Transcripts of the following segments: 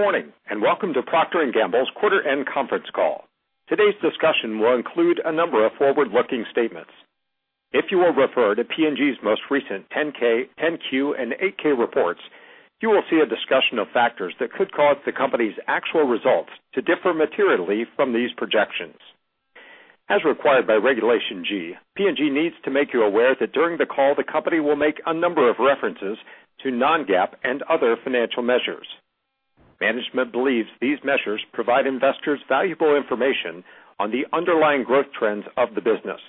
Good morning. Welcome to P&G's quarter end conference call. Today's discussion will include a number of forward-looking statements. If you will refer to P&G's most recent 10-K, 10-Q, and 8-K reports, you will see a discussion of factors that could cause the company's actual results to differ materially from these projections. As required by Regulation G, P&G needs to make you aware that during the call, the company will make a number of references to non-GAAP and other financial measures. Management believes these measures provide investors valuable information on the underlying growth trends of the business.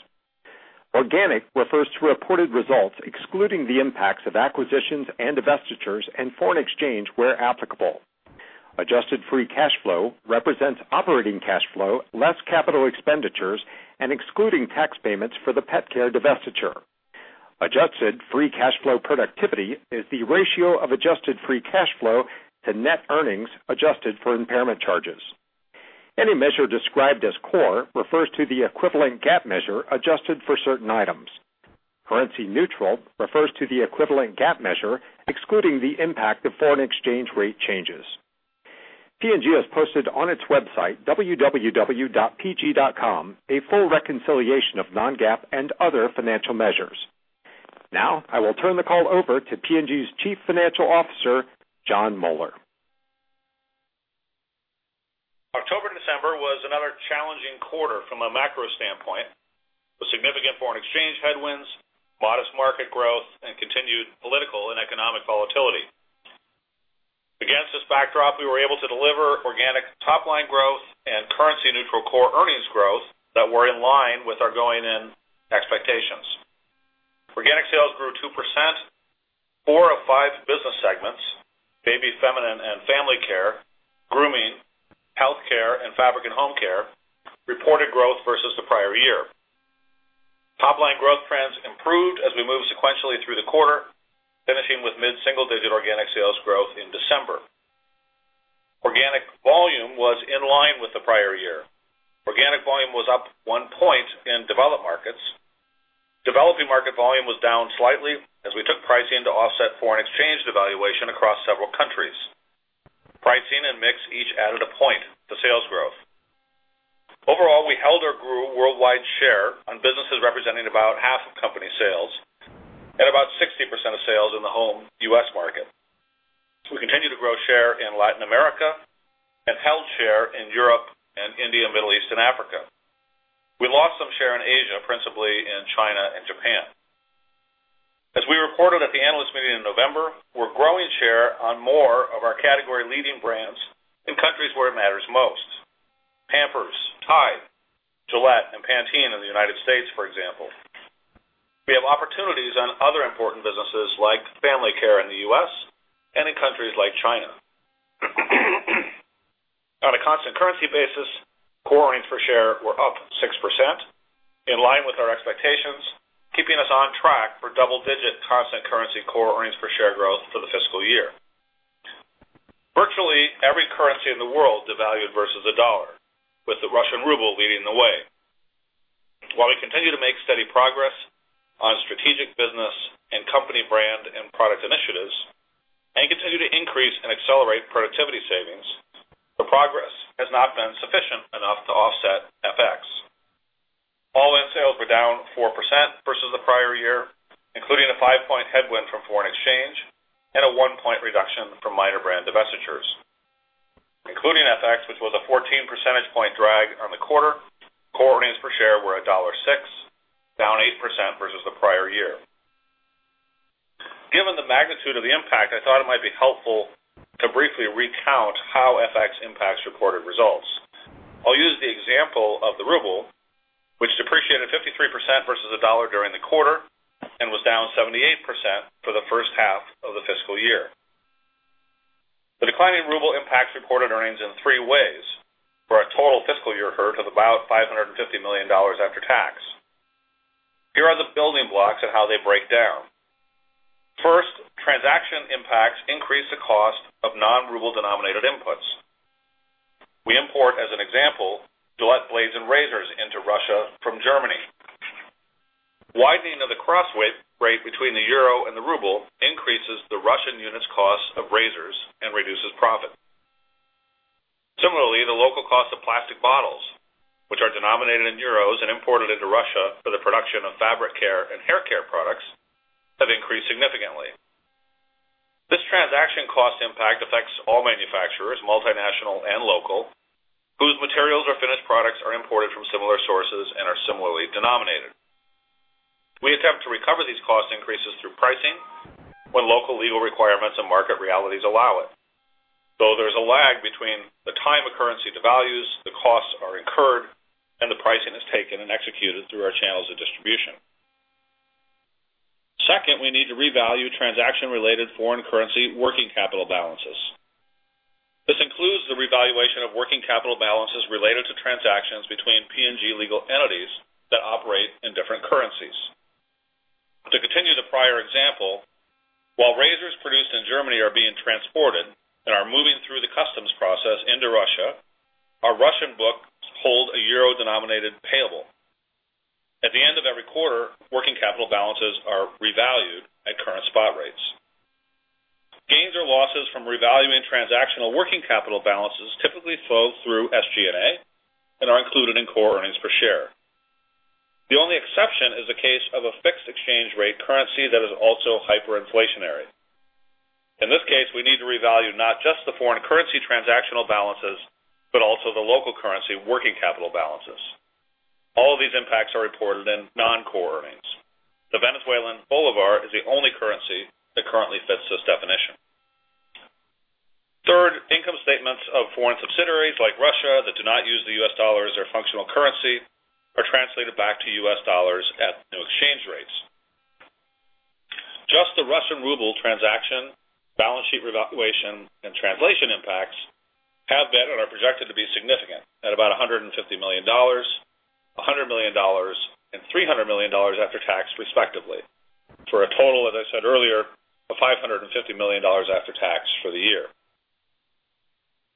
Organic refers to reported results excluding the impacts of acquisitions and divestitures, and foreign exchange, where applicable. Adjusted free cash flow represents operating cash flow, less capital expenditures, and excluding tax payments for the Pet Care divestiture. Adjusted free cash flow productivity is the ratio of adjusted free cash flow to net earnings adjusted for impairment charges. Any measure described as core refers to the equivalent GAAP measure adjusted for certain items. Currency neutral refers to the equivalent GAAP measure, excluding the impact of foreign exchange rate changes. P&G has posted on its website, www.pg.com, a full reconciliation of non-GAAP and other financial measures. Now, I will turn the call over to P&G's Chief Financial Officer, Jon Moeller. October and December was another challenging quarter from a macro standpoint, with significant foreign exchange headwinds, modest market growth, and continued political and economic volatility. Against this backdrop, we were able to deliver organic top-line growth and currency-neutral core earnings growth that were in line with our going-in expectations. Organic sales grew 2%. Four of five business segments, Baby, Feminine & Family Care, Grooming, Healthcare, and Fabric and Home Care, reported growth versus the prior year. Top-line growth trends improved as we moved sequentially through the quarter, finishing with mid-single digit organic sales growth in December. Organic volume was in line with the prior year. Organic volume was up one point in developed markets. Developing market volume was down slightly as we took pricing to offset foreign exchange devaluation across several countries. Pricing and mix each added a point to sales growth. Overall, we held or grew worldwide share on businesses representing about half of company sales and about 60% of sales in the home U.S. market. We continue to grow share in Latin America and held share in Europe and India, Middle East, and Africa. We lost some share in Asia, principally in China and Japan. As we reported at the analyst meeting in November, we're growing share on more of our category-leading brands in countries where it matters most. Pampers, Tide, Gillette, and Pantene in the United States, for example. We have opportunities on other important businesses like Family Care in the U.S. and in countries like China. On a constant currency basis, core earnings per share were up 6%, in line with our expectations, keeping us on track for double-digit constant currency core earnings per share growth for the fiscal year. Virtually every currency in the world devalued versus the U.S. dollar, with the Russian ruble leading the way. While we continue to make steady progress on strategic business and company brand and product initiatives, and continue to increase and accelerate productivity savings, the progress has not been sufficient enough to offset FX. All-in sales were down 4% versus the prior year, including a 5-point headwind from foreign exchange and a 1-point reduction from minor brand divestitures. Including FX, which was a 14 percentage point drag on the quarter, core earnings per share were $1.06, down 8% versus the prior year. Given the magnitude of the impact, I thought it might be helpful to briefly recount how FX impacts reported results. I'll use the example of the ruble, which depreciated 53% versus the U.S. dollar during the quarter and was down 78% for the first half of the fiscal year. The declining ruble impacts reported earnings in three ways, for a total fiscal year hurt of about $550 million after tax. Here are the building blocks and how they break down. First, transaction impacts increase the cost of non-ruble-denominated inputs. We import, as an example, Gillette blades and razors into Russia from Germany. Widening of the cross rate between the euro and the ruble increases the Russian unit's cost of razors and reduces profit. Similarly, the local cost of plastic bottles, which are denominated in euros and imported into Russia for the production of fabric care and hair care products, have increased significantly. This transaction cost impact affects all manufacturers, multinational and local, whose materials or finished products are imported from similar sources and are similarly denominated. We attempt to recover these cost increases through pricing when local legal requirements and market realities allow it. Though there's a lag between the time a currency devalues, the costs are incurred, and the pricing is taken and executed through our channels of distribution. Second, we need to revalue transaction-related foreign currency working capital balances. This includes the revaluation of working capital balances related to transactions between P&G legal entities that operate in different currencies. To continue the prior example, while razors produced in Germany are being transported and are moving through the customs process into Russia, our Russian books hold a euro-denominated. At the end of every quarter, working capital balances are revalued at current spot rates. Gains or losses from revaluing transactional working capital balances typically flow through SG&A and are included in core earnings per share. The only exception is the case of a fixed exchange rate currency that is also hyperinflationary. In this case, we need to revalue not just the foreign currency transactional balances, but also the local currency working capital balances. All of these impacts are reported in non-core earnings. The Venezuelan bolívar is the only currency that currently fits this definition. Third, income statements of foreign subsidiaries like Russia that do not use the U.S. dollar as their functional currency are translated back to U.S. dollars at new exchange rates. Just the Russian ruble transaction, balance sheet revaluation, and translation impacts have been and are projected to be significant at about $150 million, $100 million, and $300 million after tax, respectively, for a total, as I said earlier, of $550 million after tax for the year.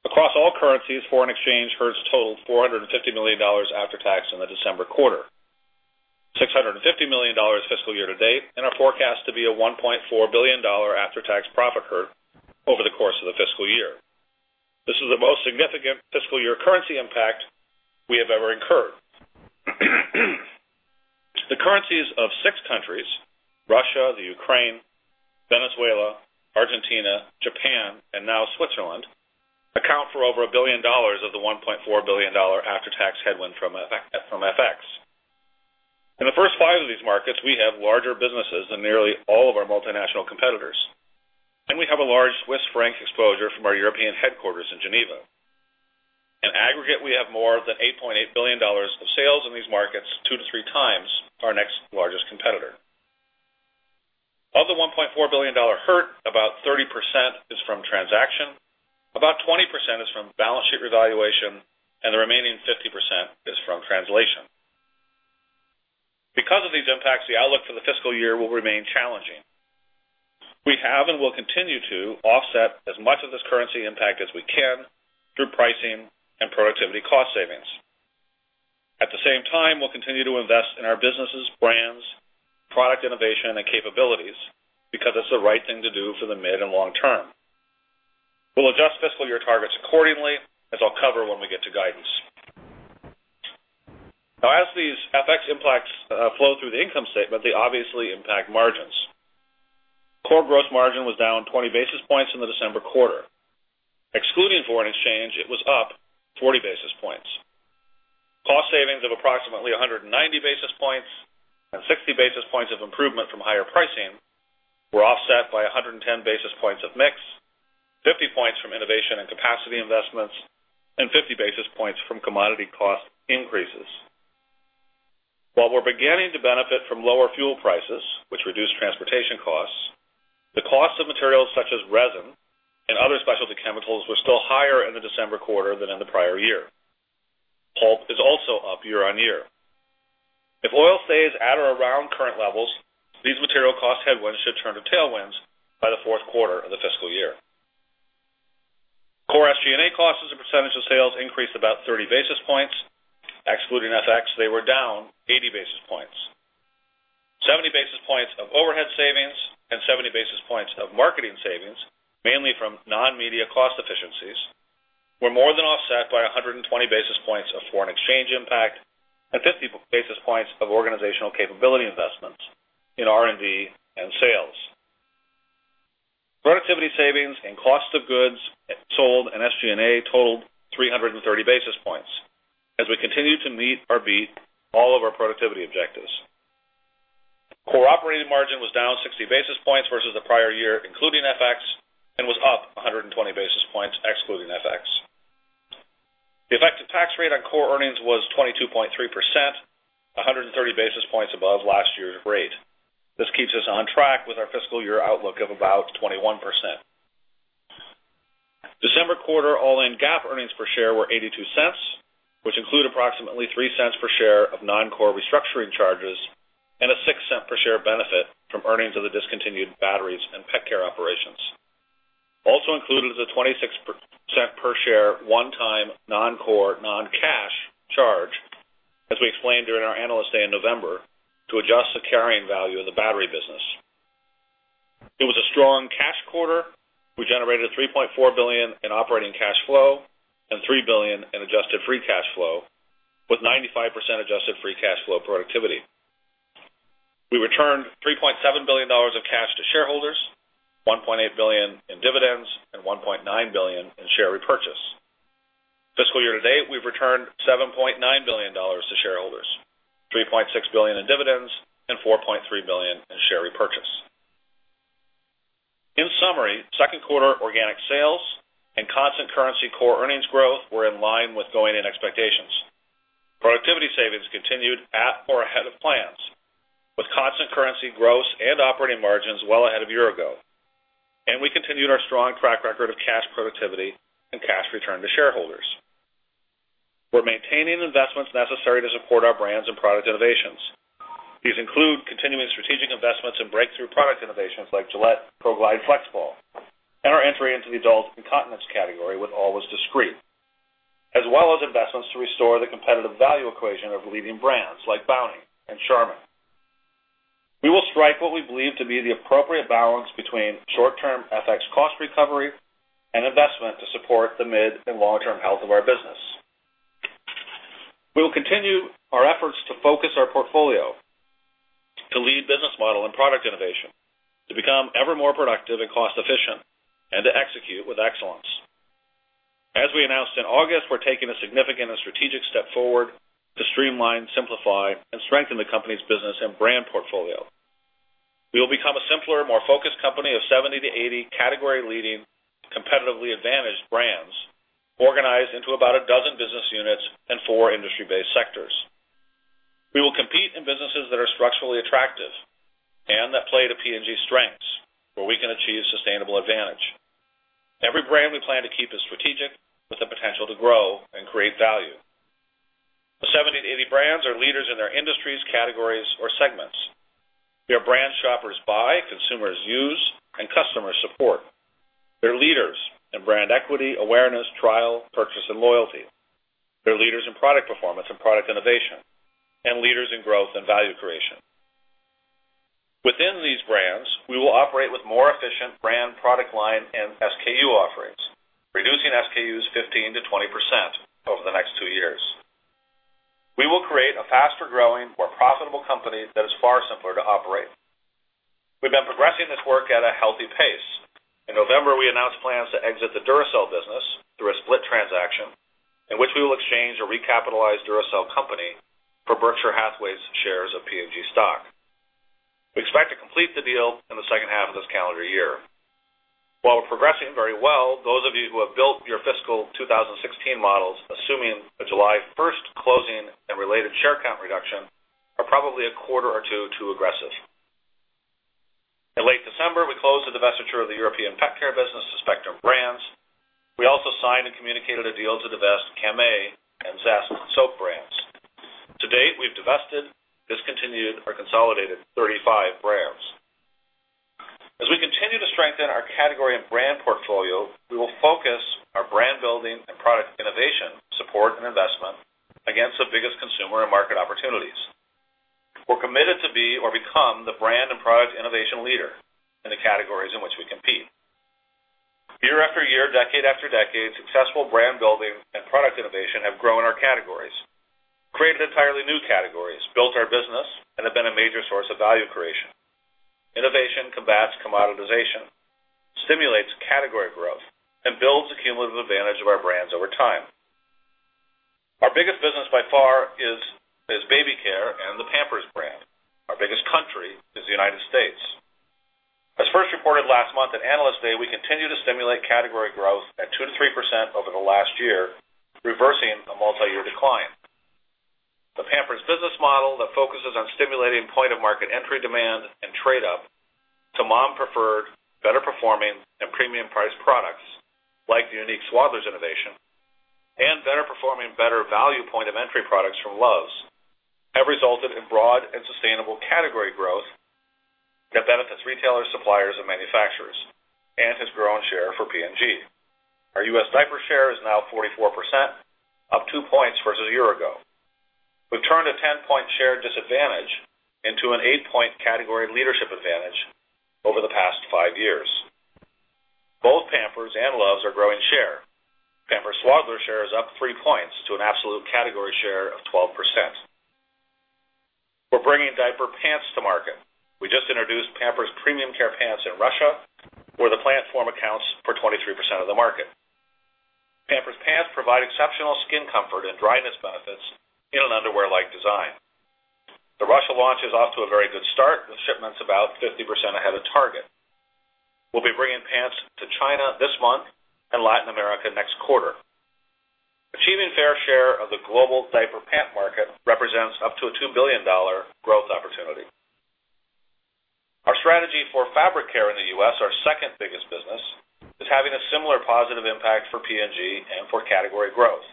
Across all currencies, foreign exchange hurts totaled $450 million after tax in the December quarter, $650 million fiscal year to date, and are forecast to be a $1.4 billion after-tax profit hurt over the course of the fiscal year. This is the most significant fiscal year currency impact we have ever incurred. The currencies of six countries, Russia, Ukraine, Venezuela, Argentina, Japan, and now Switzerland, account for over a billion dollars of the $1.4 billion after-tax headwind from FX. In the first five of these markets, we have larger businesses than nearly all of our multinational competitors, and we have a large Swiss franc exposure from our European headquarters in Geneva. In aggregate, we have more than $8.8 billion of sales in these markets, two to three times our next largest competitor. Of the $1.4 billion hurt, about 30% is from transaction, about 20% is from balance sheet revaluation, and the remaining 50% is from translation. Because of these impacts, the outlook for the fiscal year will remain challenging. We have and will continue to offset as much of this currency impact as we can through pricing and productivity cost savings. At the same time, we'll continue to invest in our businesses, brands, product innovation, and capabilities, because it's the right thing to do for the mid and long term. We'll adjust fiscal year targets accordingly, as I'll cover when we get to guidance. As these FX impacts flow through the income statement, they obviously impact margins. Core gross margin was down 20 basis points in the December quarter. Excluding foreign exchange, it was up 40 basis points. Cost savings of approximately 190 basis points and 60 basis points of improvement from higher pricing were offset by 110 basis points of mix, 50 points from innovation and capacity investments, and 50 basis points from commodity cost increases. While we're beginning to benefit from lower fuel prices, which reduce transportation costs, the cost of materials such as resin and other specialty chemicals were still higher in the December quarter than in the prior year. Pulp is also up year-over-year. If oil stays at or around current levels, these material cost headwinds should turn to tailwinds by the fourth quarter of the fiscal year. Core SG&A costs as a percentage of sales increased about 30 basis points. Excluding FX, they were down 80 basis points. 70 basis points of overhead savings and 70 basis points of marketing savings, mainly from non-media cost efficiencies, were more than offset by 120 basis points of foreign exchange impact and 50 basis points of organizational capability investments in R&D and sales. Productivity savings and cost of goods sold and SG&A totaled 330 basis points as we continue to meet or beat all of our productivity objectives. Core operating margin was down 60 basis points versus the prior year, including FX, and was up 120 basis points excluding FX. The effective tax rate on core earnings was 22.3%, 130 basis points above last year's rate. This keeps us on track with our fiscal year outlook of about 21%. December quarter all-in GAAP earnings per share were $0.82, which include approximately $0.03 per share of non-core restructuring charges and a $0.06 per share benefit from earnings of the discontinued batteries and pet care operations. Also included is a $0.26 per share one-time non-core non-cash charge, as we explained during our Analyst Day in November, to adjust the carrying value of the battery business. It was a strong cash quarter. We generated $3.4 billion in operating cash flow and $3 billion in adjusted free cash flow with 95% adjusted free cash flow productivity. We returned $3.7 billion of cash to shareholders, $1.8 billion in dividends, and $1.9 billion in share repurchase. Fiscal year to date, we've returned $7.9 billion to shareholders, $3.6 billion in dividends, and $4.3 billion in share repurchase. In summary, second quarter organic sales and constant currency core earnings growth were in line with going in expectations. Productivity savings continued at or ahead of plans, with constant currency gross and operating margins well ahead of year ago. We continued our strong track record of cash productivity and cash return to shareholders. We're maintaining investments necessary to support our brands and product innovations. These include continuing strategic investments in breakthrough product innovations like Gillette ProGlide FlexBall, our entry into the adult incontinence category with Always Discreet, as well as investments to restore the competitive value equation of leading brands like Bounty and Charmin. We will strike what we believe to be the appropriate balance between short-term FX cost recovery and investment to support the mid- and long-term health of our business. We will continue our efforts to focus our portfolio, to lead business model and product innovation, to become ever more productive and cost-efficient, and to execute with excellence. As we announced in August, we're taking a significant and strategic step forward to streamline, simplify, and strengthen the company's business and brand portfolio. We will become a simpler, more focused company of 70 to 80 category-leading, competitively advantaged brands organized into about a dozen business units and four industry-based sectors. We will compete in businesses that are structurally attractive and that play to P&G's strengths, where we can achieve sustainable advantage. Every brand we plan to keep is strategic with the potential to grow and create value. The 70 to 80 brands are leaders in their industries, categories, or segments. They are brands shoppers buy, consumers use, and customers support. They're leaders in brand equity, awareness, trial, purchase, and loyalty. They're leaders in product performance and product innovation, and leaders in growth and value creation. Within these brands, we will operate with more efficient brand product line and SKU offerings, reducing SKUs 15%-20% over the next two years. We will create a faster-growing, more profitable company that is far simpler to operate. We've been progressing this work at a healthy pace. In November, we announced plans to exit the Duracell business through a split transaction in which we will exchange a recapitalized Duracell company for Berkshire Hathaway's shares of P&G stock. We expect to complete the deal in the second half of this calendar year. While we're progressing very well, those of you who have built your fiscal year 2016 models, assuming a July 1st closing and related share count reduction, are probably a quarter or two too aggressive. In late December, we closed the divestiture of the European pet care business to Spectrum Brands. We also signed and communicated a deal to divest Camay and Zest soap brands. To date, we've divested, discontinued, or consolidated 35 brands. As we continue to strengthen our category and brand portfolio, we will focus our brand-building and product innovation support and investment against the biggest consumer and market opportunities. We're committed to be or become the brand and product innovation leader in the categories in which we compete. Year after year, decade after decade, successful brand-building and product innovation have grown our categories, created entirely new categories, built our business, and have been a major source of value creation. Innovation combats commoditization, stimulates category growth, and builds the cumulative advantage of our brands over time. Our biggest business by far is baby care and the Pampers brand. Our biggest country is the U.S. As first reported last month at Analyst Day, we continue to stimulate category growth at 2% to 3% over the last year, reversing a multi-year decline. The Pampers business model that focuses on stimulating point-of-market entry demand and trade-up to mom-preferred, better-performing, and premium-priced products, like the unique Swaddlers innovation, and better-performing, better value point-of-entry products from Luvs, have resulted in broad and sustainable category growth that benefits retailers, suppliers, and manufacturers and has grown share for P&G. Our U.S. diaper share is now 44%, up 2 points versus a year ago. We've turned a 10-point share disadvantage into an 8-point category leadership advantage over the past five years. Both Pampers and Luvs are growing share. Pampers Swaddlers share is up 3 points to an absolute category share of 12%. We're bringing diaper pants to market. We just introduced Pampers Premium Care Pants in Russia, where the platform accounts for 23% of the market. Pampers Pants provide exceptional skin comfort and dryness benefits in an underwear-like design. The Russia launch is off to a very good start, with shipments about 50% ahead of target. We'll be bringing Pants to China this month and Latin America next quarter. Achieving fair share of the global diaper pant market represents up to a $2 billion growth opportunity. Our strategy for fabric care in the U.S., our second-biggest business, is having a similar positive impact for P&G and for category growth.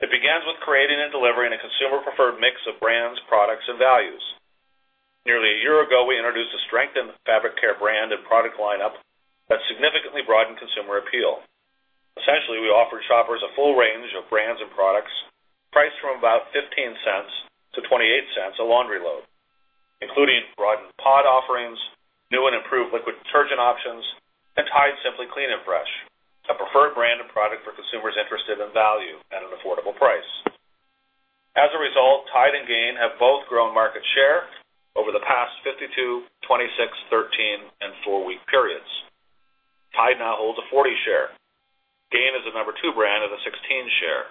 It begins with creating and delivering a consumer-preferred mix of brands, products, and values. Nearly a year ago, we introduced a strengthened fabric care brand and product lineup that significantly broadened consumer appeal. Essentially, we offered shoppers a full range of brands and products priced from about $0.15 to $0.28 a laundry load, including broadened Pod offerings, new and improved liquid detergent options, and Tide Simply Clean and Fresh, a preferred brand of product for consumers interested in value at an affordable price. As a result, Tide and Gain have both grown market share over the past 52, 26, 13, and four-week periods. Tide now holds a 40 share. Gain is the number 2 brand with a 16 share.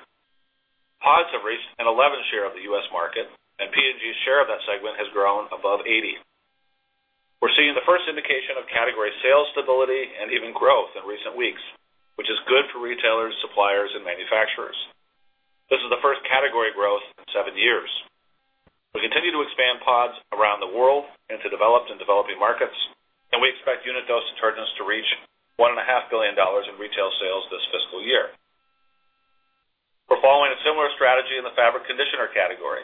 Pods have reached an 11 share of the U.S. market, and P&G's share of that segment has grown above 80. We're seeing the first indication of category sales stability and even growth in recent weeks, which is good for retailers, suppliers, and manufacturers. This is the first category growth in seven years. We continue to expand Pods around the world into developed and developing markets. We expect unit dose detergents to reach $1.5 billion in retail sales this fiscal year. conditioner category,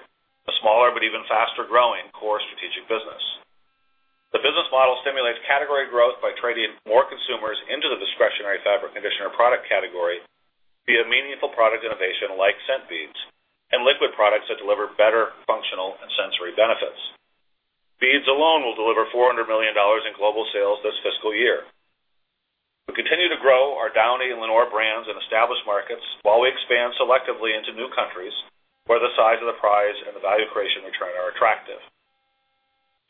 a smaller but even faster-growing core strategic business. The business model stimulates category growth by trading more consumers into the discretionary fabric conditioner product category via meaningful product innovation like scent beads and liquid products that deliver better functional and sensory benefits. Beads alone will deliver $400 million in global sales this fiscal year. We continue to grow our Downy and Lenor brands in established markets while we expand selectively into new countries where the size of the prize and the value creation return are attractive.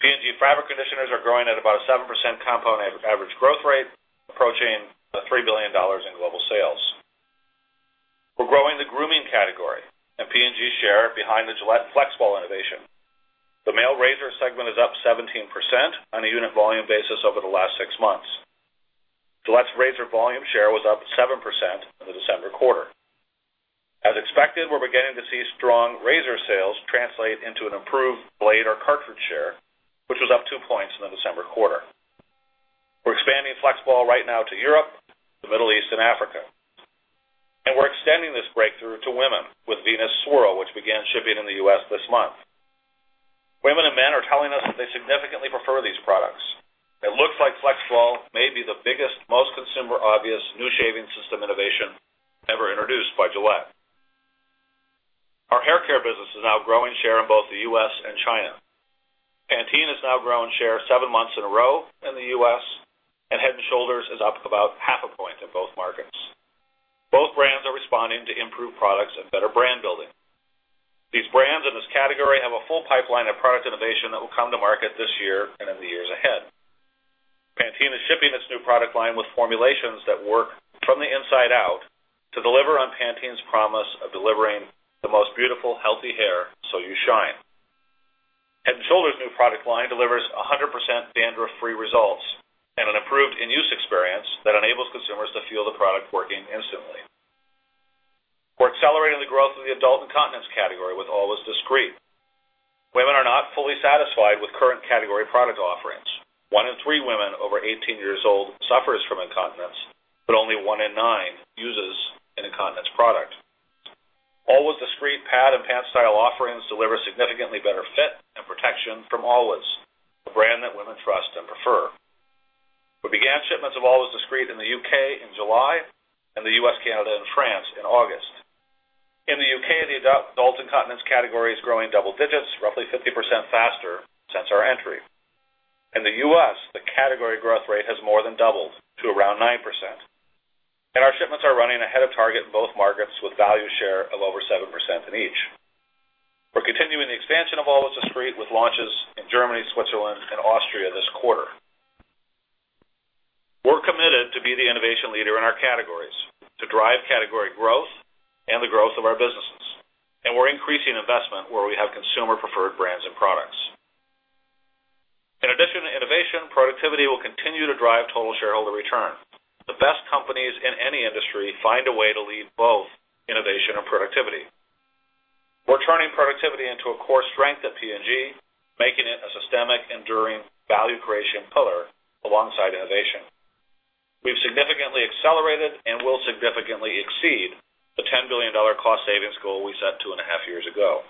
P&G fabric conditioners are growing at about a 7% compound average growth rate, approaching $3 billion in global sales. We're growing the Grooming category and P&G's share behind the Gillette FlexBall innovation. The male razor segment is up 17% on a unit volume basis over the last six months. Gillette's razor volume share was up 7% in the December quarter. As expected, we're beginning to see strong razor sales translate into an improved blade or cartridge share, which was up two points in the December quarter. We're expanding FlexBall right now to Europe, the Middle East, and Africa. We're extending this breakthrough to women with Venus Swirl, which began shipping in the U.S. this month. Women and men are telling us that they significantly prefer these products. It looks like FlexBall may be the biggest, most consumer-obvious new shaving system innovation ever introduced by Gillette. Our hair care business is now growing share in both the U.S. and China. Pantene has now grown share seven months in a row in the U.S. Head & Shoulders is up about half a point in both markets. Both brands are responding to improved products and better brand building. These brands in this category have a full pipeline of product innovation that will come to market this year and in the years ahead. Pantene is shipping its new product line with formulations that work from the inside out to deliver on Pantene's promise of delivering the most beautiful, healthy hair so you shine. Head & Shoulders' new product line delivers 100% dandruff-free results and an improved in-use experience that enables consumers to feel the product working instantly. We're accelerating the growth of the adult incontinence category with Always Discreet. Women are not fully satisfied with current category product offerings. One in three women over 18 years old suffers from incontinence. Only one in nine uses an incontinence product. Always Discreet pad and pant style offerings deliver significantly better fit and protection from Always, a brand that women trust and prefer. We began shipments of Always Discreet in the U.K. in July and the U.S., Canada, and France in August. In the U.K., the adult incontinence category is growing double digits, roughly 50% faster since our entry. In the U.S., the category growth rate has more than doubled to around 9%. Our shipments are running ahead of target in both markets with value share of over 7% in each. We're continuing the expansion of Always Discreet with launches in Germany, Switzerland, and Austria this quarter. We're committed to be the innovation leader in our categories to drive category growth and the growth of our businesses. We're increasing investment where we have consumer-preferred brands and products. In addition to innovation, productivity will continue to drive total shareholder return. The best companies in any industry find a way to lead both innovation and productivity. We're turning productivity into a core strength at P&G, making it a systemic enduring value creation pillar alongside innovation. We've significantly accelerated and will significantly exceed the $10 billion cost savings goal we set two and a half years ago.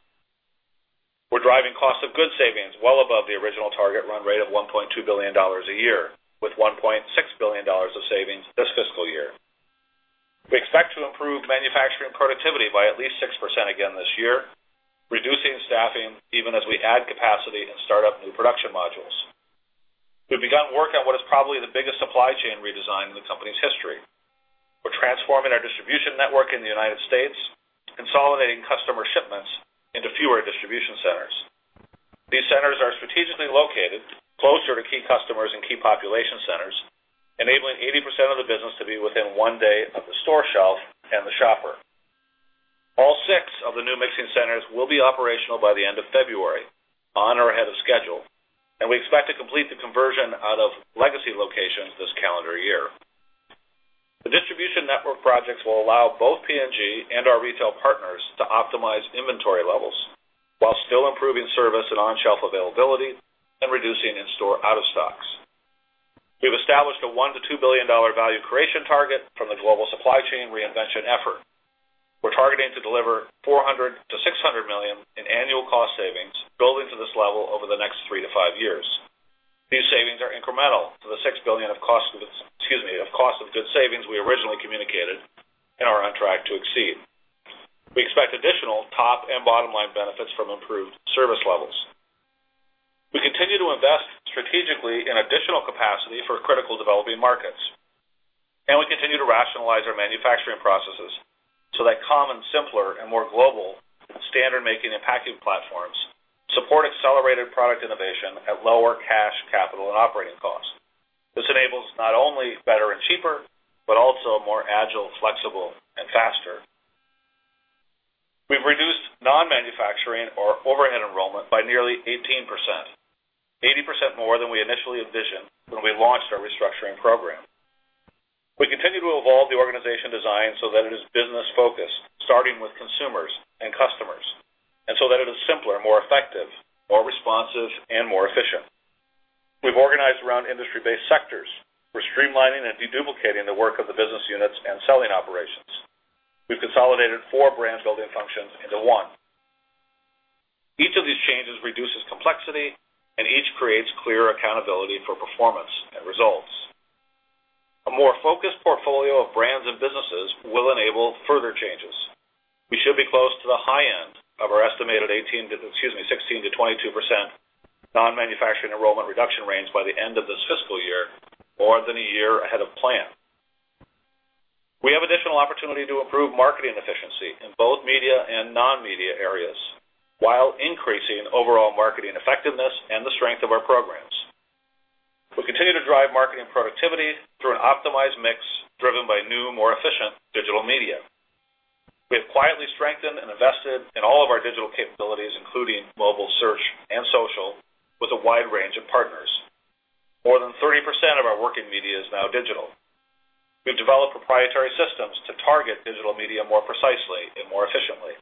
We're driving cost of goods savings well above the original target run rate of $1.2 billion a year, with $1.6 billion of savings this fiscal year. We expect to improve manufacturing productivity by at least 6% again this year, reducing staffing even as we add capacity and start up new production modules. We've begun work on what is probably the biggest supply chain redesign in the company's history. We're transforming our distribution network in the U.S., consolidating customer shipments into fewer distribution centers. These centers are strategically located closer to key customers and key population centers, enabling 80% of the business to be within one day of the store shelf and the shopper. All six of the new mixing centers will be operational by the end of February, on or ahead of schedule. We expect to complete the conversion out of legacy locations this calendar year. The distribution network projects will allow both P&G and our retail partners to optimize inventory levels while still improving service and on-shelf availability and reducing in-store out-of-stocks. We've established a $1 billion-$2 billion value creation target from the global supply chain reinvention effort. We're targeting to deliver $400 million-$600 million in annual cost savings, building to this level over the next three to five years. These savings are incremental to the $6 billion of cost of goods savings we originally communicated and are on track to exceed. We expect additional top and bottom-line benefits from improved service levels. We continue to invest strategically in additional capacity for critical developing markets. We continue to rationalize our manufacturing processes so that common, simpler, and more global standard making and packing platforms support accelerated product innovation at lower cash, capital, and operating costs. This enables not only better and cheaper, but also more agile, flexible, and faster. We've reduced non-manufacturing or overhead enrollment by nearly 18%, 80% more than we initially envisioned when we launched our restructuring program. We continue to evolve the organization design so that it is business-focused, starting with consumers and customers, and so that it is simpler, more effective, more responsive, and more efficient. Around industry-based sectors, we're streamlining and de-duplicating the work of the business units and selling operations. We've consolidated four brand-building functions into one. Each of these changes reduces complexity. Each creates clear accountability for performance and results. A more focused portfolio of brands and businesses will enable further changes. We should be close to the high end of our estimated 16%-22% non-manufacturing enrollment reduction range by the end of this fiscal year, more than one year ahead of plan. We have additional opportunity to improve marketing efficiency in both media and non-media areas while increasing overall marketing effectiveness and the strength of our programs. We'll continue to drive marketing productivity through an optimized mix driven by new, more efficient digital media. We have quietly strengthened and invested in all of our digital capabilities, including mobile search and social, with a wide range of partners. More than 30% of our working media is now digital. We've developed proprietary systems to target digital media more precisely and more efficiently.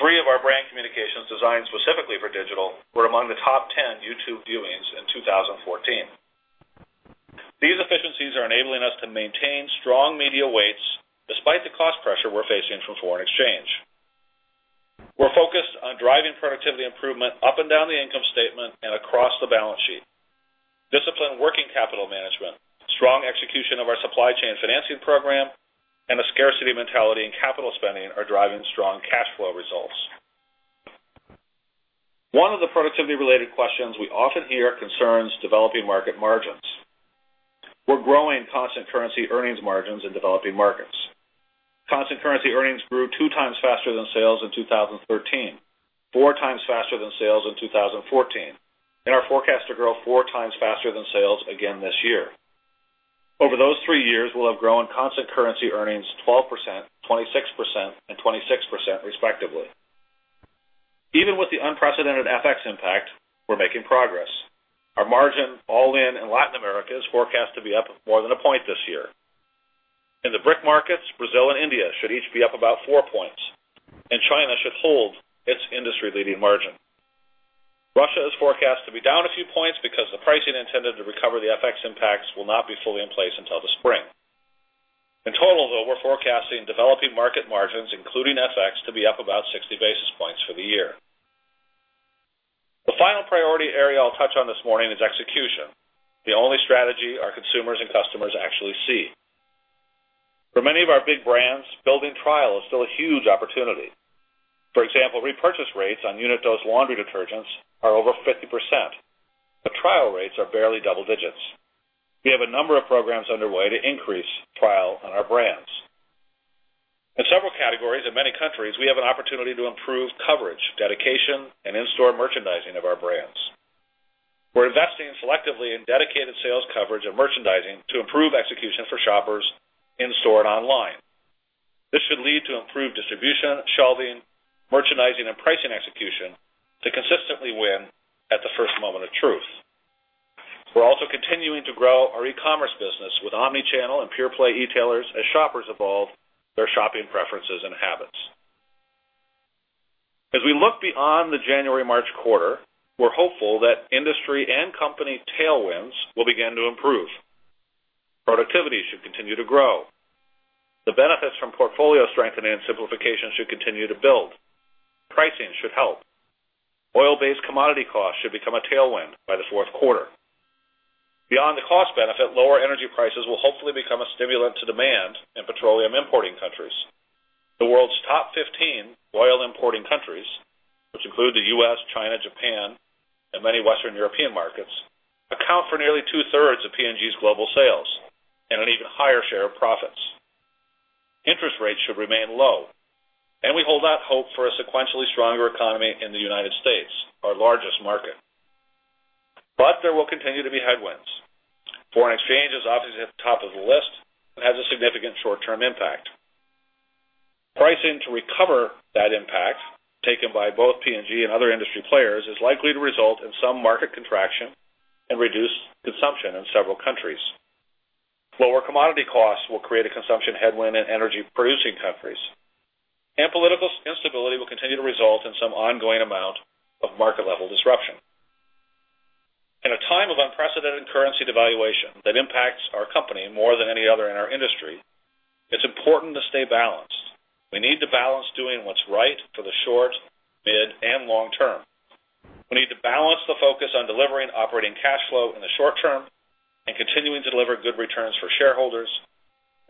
Three of our brand communications designed specifically for digital were among the top 10 YouTube viewings in 2014. These efficiencies are enabling us to maintain strong media weights despite the cost pressure we're facing from foreign exchange. We're focused on driving productivity improvement up and down the income statement and across the balance sheet. Disciplined working capital management, strong execution of our supply chain financing program, and a scarcity mentality in capital spending are driving strong cash flow results. One of the productivity-related questions we often hear concerns developing market margins. We're growing constant currency earnings margins in developing markets. Constant currency earnings grew two times faster than sales in 2013, four times faster than sales in 2014, and are forecast to grow four times faster than sales again this year. Over those three years, we'll have grown constant currency earnings 12%, 26%, and 26% respectively. Even with the unprecedented FX impact, we're making progress. Our margin all-in in Latin America is forecast to be up more than a point this year. In the BRIC markets, Brazil and India should each be up about four points, and China should hold its industry-leading margin. Russia is forecast to be down a few points because the pricing intended to recover the FX impacts will not be fully in place until the spring. In total, though, we're forecasting developing market margins, including FX, to be up about 60 basis points for the year. The final priority area I'll touch on this morning is execution, the only strategy our consumers and customers actually see. For many of our big brands, building trial is still a huge opportunity. For example, repurchase rates on unit-dose laundry detergents are over 50%, but trial rates are barely double digits. We have a number of programs underway to increase trial on our brands. In several categories in many countries, we have an opportunity to improve coverage, dedication, and in-store merchandising of our brands. We're investing selectively in dedicated sales coverage and merchandising to improve execution for shoppers in-store and online. This should lead to improved distribution, shelving, merchandising, and pricing execution to consistently win at the first moment of truth. We're also continuing to grow our e-commerce business with omni-channel and pure-play e-tailers as shoppers evolve their shopping preferences and habits. As we look beyond the January-March quarter, we're hopeful that industry and company tailwinds will begin to improve. Productivity should continue to grow. The benefits from portfolio strengthening and simplification should continue to build. Pricing should help. Oil-based commodity costs should become a tailwind by the fourth quarter. Beyond the cost benefit, lower energy prices will hopefully become a stimulant to demand in petroleum importing countries. The world's top 15 oil importing countries, which include the U.S., China, Japan, and many Western European markets, account for nearly 2/3 of P&G's global sales, and an even higher share of profits. Interest rates should remain low, and we hold out hope for a sequentially stronger economy in the United States, our largest market. There will continue to be headwinds. Foreign exchange is obviously at the top of the list and has a significant short-term impact. Pricing to recover that impact, taken by both P&G and other industry players, is likely to result in some market contraction and reduced consumption in several countries. Lower commodity costs will create a consumption headwind in energy-producing countries. Political instability will continue to result in some ongoing amount of market-level disruption. In a time of unprecedented currency devaluation that impacts our company more than any other in our industry, it's important to stay balanced. We need to balance doing what's right for the short, mid, and long term. We need to balance the focus on delivering operating cash flow in the short term and continuing to deliver good returns for shareholders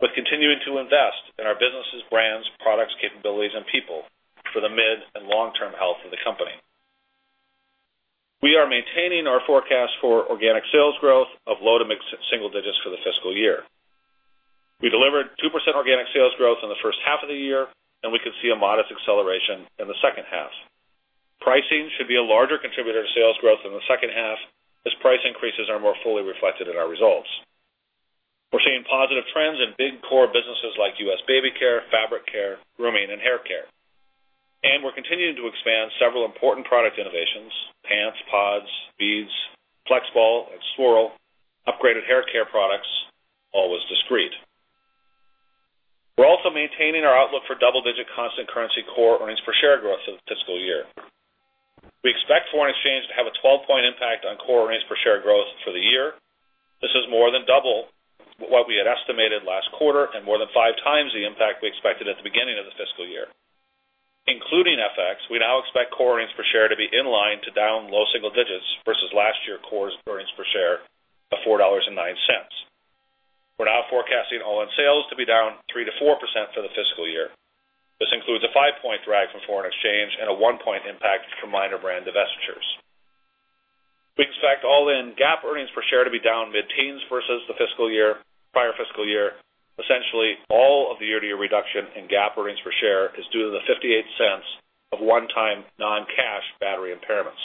with continuing to invest in our businesses, brands, products, capabilities, and people for the mid and long-term health of the company. We are maintaining our forecast for organic sales growth of low to mid single digits for the fiscal year. We delivered 2% organic sales growth in the first half of the year, and we could see a modest acceleration in the second half. Pricing should be a larger contributor to sales growth in the second half as price increases are more fully reflected in our results. We're seeing positive trends in big core businesses like U.S. baby care, fabric care, Grooming, and hair care. We're continuing to expand several important product innovations, pants, Pods, beads, FlexBall and Swirl, upgraded hair care products, Always Discreet. Maintaining our outlook for double-digit constant currency core earnings per share growth for the fiscal year. We expect foreign exchange to have a 12-point impact on core earnings per share growth for the year. This is more than double what we had estimated last quarter and more than five times the impact we expected at the beginning of the fiscal year. Including FX, we now expect core earnings per share to be in line to down low single digits versus last year core earnings per share of $4.09. We're now forecasting all-in sales to be down 3%-4% for the fiscal year. This includes a five-point drag from foreign exchange and a one-point impact from minor brand divestitures. We expect all-in GAAP earnings per share to be down mid-teens versus the prior fiscal year. Essentially, all of the year-to-year reduction in GAAP earnings per share is due to the $0.58 of one-time non-cash battery impairments.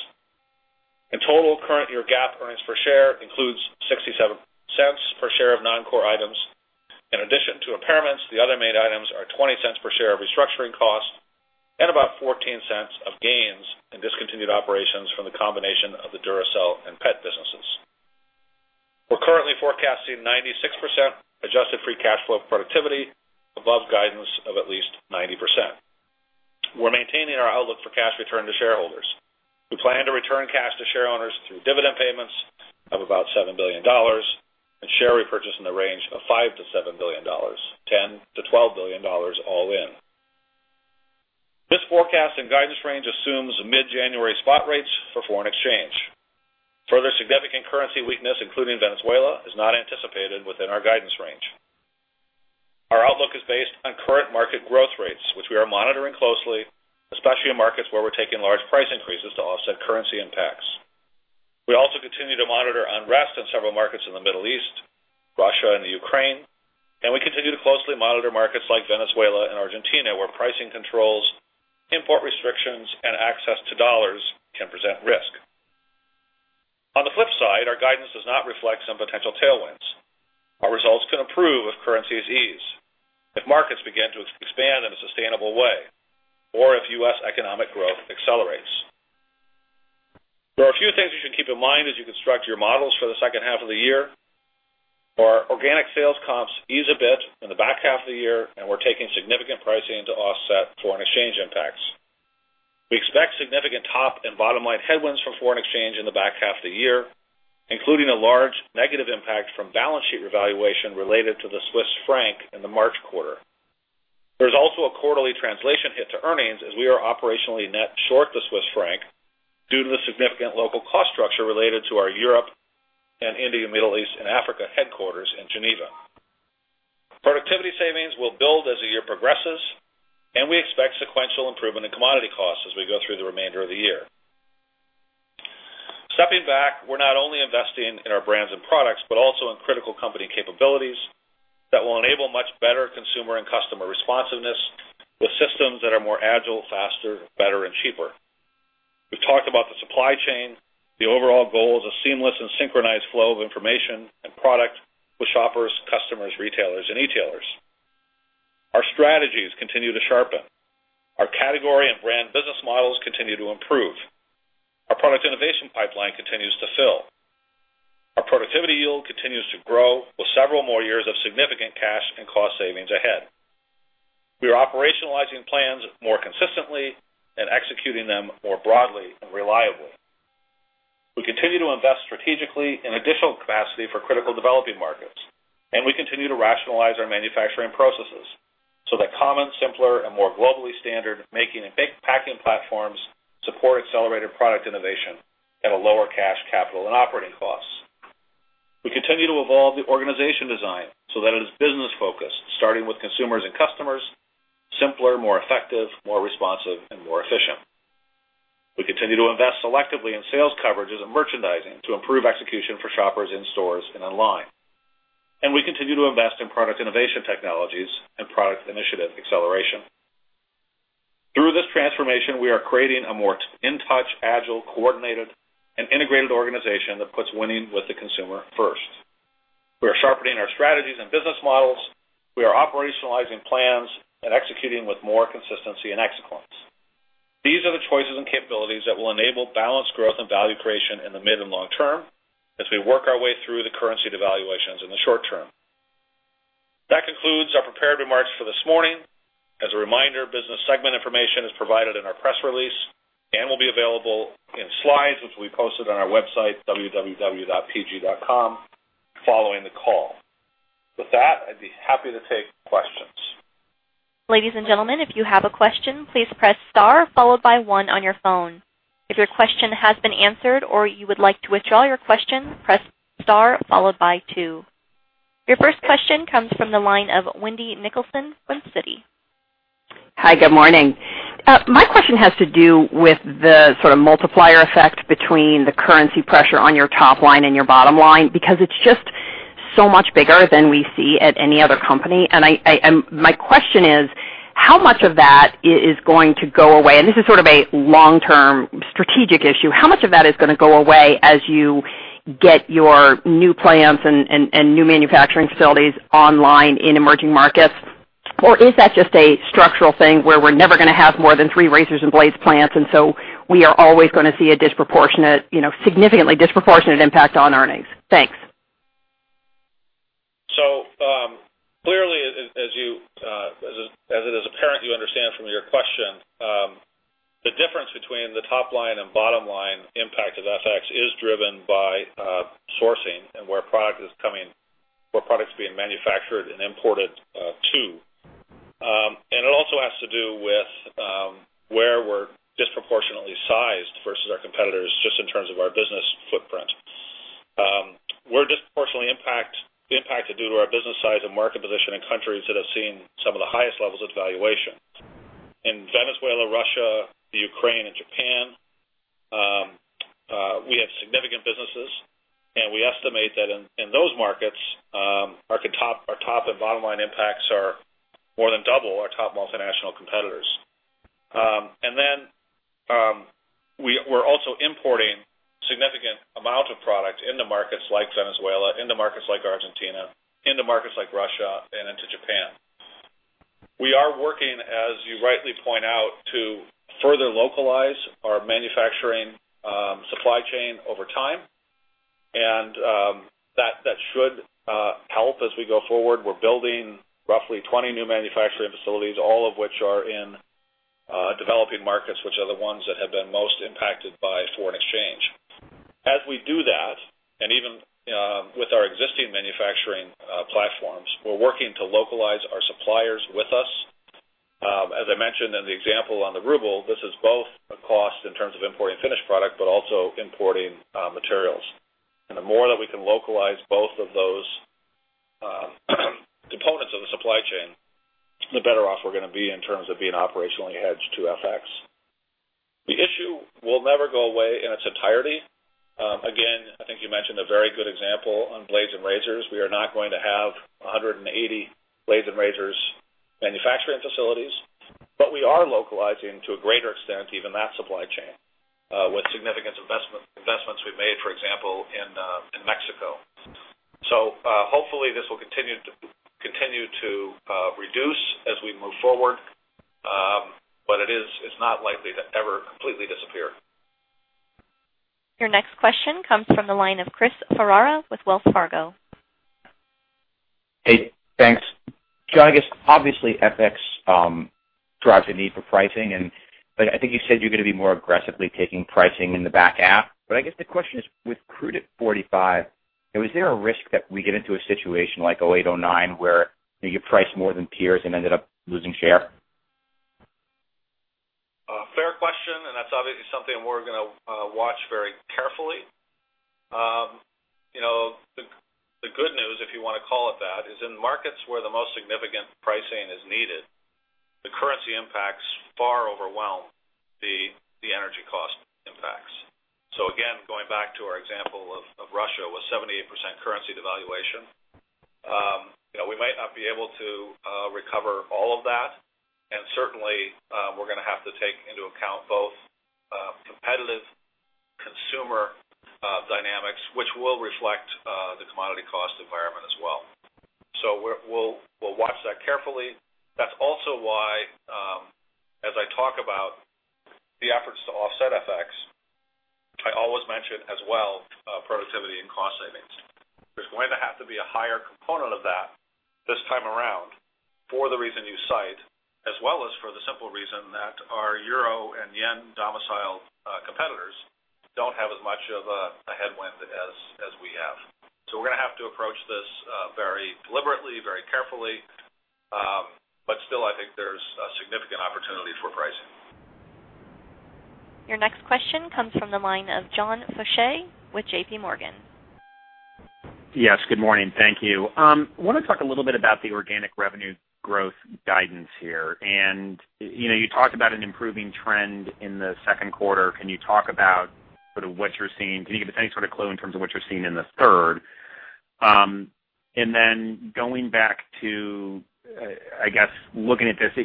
In total, current year GAAP earnings per share includes $0.67 per share of non-core items. In addition to impairments, the other main items are $0.20 per share of restructuring costs and about $0.14 of gains in discontinued operations from the combination of the Duracell and pet businesses. We're currently forecasting 96% adjusted free cash flow productivity above guidance of at least 90%. We're maintaining our outlook for cash return to shareholders. We plan to return cash to shareowners through dividend payments of about $7 billion and share repurchase in the range of $5 billion-$7 billion, $10 billion-$12 billion all in. This forecast and guidance range assumes mid-January spot rates for foreign exchange. Further significant currency weakness, including Venezuela, is not anticipated within our guidance range. Our outlook is based on current market growth rates, which we are monitoring closely, especially in markets where we're taking large price increases to offset currency impacts. We also continue to monitor unrest in several markets in the Middle East, Russia, and the Ukraine, and we continue to closely monitor markets like Venezuela and Argentina, where pricing controls, import restrictions, and access to dollars can present risk. On the flip side, our guidance does not reflect some potential tailwinds. Our results can improve if currencies ease, if markets begin to expand in a sustainable way, or if U.S. economic growth accelerates. There are a few things you should keep in mind as you construct your models for the second half of the year. Our organic sales comps ease a bit in the back half of the year, and we're taking significant pricing to offset foreign exchange impacts. We expect significant top and bottom-line headwinds from foreign exchange in the back half of the year, including a large negative impact from balance sheet revaluation related to the Swiss franc in the March quarter. There's also a quarterly translation hit to earnings as we are operationally net short to Swiss franc due to the significant local cost structure related to our Europe and India, Middle East, and Africa headquarters in Geneva. Productivity savings will build as the year progresses. We expect sequential improvement in commodity costs as we go through the remainder of the year. Stepping back, we're not only investing in our brands and products, but also in critical company capabilities that will enable much better consumer and customer responsiveness with systems that are more agile, faster, better, and cheaper. We've talked about the supply chain. The overall goal is a seamless and synchronized flow of information and product with shoppers, customers, retailers, and e-tailers. Our strategies continue to sharpen. Our category and brand business models continue to improve. Our product innovation pipeline continues to fill. Our productivity yield continues to grow with several more years of significant cash and cost savings ahead. We are operationalizing plans more consistently and executing them more broadly and reliably. We continue to invest strategically in additional capacity for critical developing markets. We continue to rationalize our manufacturing processes so that common, simpler, and more globally standard making and big packing platforms support accelerated product innovation at a lower cash, capital, and operating costs. We continue to evolve the organization design so that it is business-focused, starting with consumers and customers, simpler, more effective, more responsive, and more efficient. We continue to invest selectively in sales coverages and merchandising to improve execution for shoppers in stores and online. We continue to invest in product innovation technologies and product initiative acceleration. Through this transformation, we are creating a more in-touch, agile, coordinated, and integrated organization that puts winning with the consumer first. We are sharpening our strategies and business models. We are operationalizing plans and executing with more consistency and excellence. These are the choices and capabilities that will enable balanced growth and value creation in the mid and long term as we work our way through the currency devaluations in the short term. That concludes our prepared remarks for this morning. As a reminder, business segment information is provided in our press release and will be available in slides, which we posted on our website, www.pg.com, following the call. With that, I'd be happy to take questions. Ladies and gentlemen, if you have a question, please press star followed by one on your phone. If your question has been answered or you would like to withdraw your question, press star followed by two. Your first question comes from the line of Wendy Nicholson from Citi. Hi, good morning. My question has to do with the sort of multiplier effect between the currency pressure on your top line and your bottom line, because it's just so much bigger than we see at any other company. My question is how much of that is going to go away? This is sort of a long-term strategic issue. How much of that is going to go away as you get your new plants and new manufacturing facilities online in emerging markets? Or is that just a structural thing where we're never going to have more than three razors and blades plants, so we are always going to see a significantly disproportionate impact on earnings? Thanks. Clearly, as it is apparent, you understand from your question the difference between the top line and bottom line impact of FX is driven by sourcing and where product is being manufactured and imported to. It also has to do with where we're disproportionately sized versus our competitors, just in terms of our business footprint. We're disproportionately impacted due to our business size and market position in countries that have seen some of the highest levels of devaluation. In Venezuela, Russia, Ukraine, and Japan, we have significant businesses, and we estimate that in those markets, our top and bottom line impacts are more than double our top multinational competitors. Then we're also importing significant amount of product into markets like Venezuela, into markets like Argentina, into markets like Russia, and into Japan. We are working, as you rightly point out, to further localize our manufacturing supply chain over time, and that should help as we go forward. We're building roughly 20 new manufacturing facilities, all of which are in developing markets, which are the ones that have been most impacted by foreign exchange. As we do that, and even with our existing manufacturing platforms, we're working to localize our suppliers with us. As I mentioned in the example on the ruble, this is both a cost in terms of importing finished product, but also importing materials. The more that we can localize both of those components of the supply chain, the better off we're going to be in terms of being operationally hedged to FX. The issue will never go away in its entirety. Again, I think you mentioned a very good example on blades and razors. We are not going to have 180 blades and razors manufacturing facilities, we are localizing to a greater extent, even that supply chain, with significant investments we've made, for example, in Mexico. Hopefully this will continue to reduce as we move forward. It is not likely to ever completely disappear. Your next question comes from the line of Chris Ferrara with Wells Fargo. Hey, thanks. Jon, I guess obviously, FX drives the need for pricing, I think you said you're going to be more aggressively taking pricing in the back half. I guess the question is, with crude at 45, is there a risk that we get into a situation like 2008, 2009, where you priced more than peers and ended up losing share? A fair question, that's obviously something we're going to watch very carefully. The good news, if you want to call it that, is in markets where the most significant pricing is needed, the currency impacts far overwhelm the energy cost impacts. Again, going back to our example of Russia, with 78% currency devaluation, we might not be able to recover all of that, certainly, we're going to have to take into account both competitive consumer dynamics, which will reflect the commodity cost environment as well. We'll watch that carefully. That's also why, as I talk about the efforts to offset FX, I always mention as well productivity and cost savings. There's going to have to be a higher component of that this time around for the reason you cite, as well as for the simple reason that our euro and yen domiciled competitors don't have as much of a headwind as we have. We're going to have to approach this very deliberately, very carefully. Still, I think there's significant opportunity for pricing. Your next question comes from the line of John Faucher with J.P. Morgan. Yes. Good morning. Thank you. I want to talk a little bit about the organic revenue growth guidance here. You talked about an improving trend in the second quarter. Can you talk about sort of what you're seeing? Can you give us any sort of clue in terms of what you're seeing in the third? Going back to, I guess looking at this,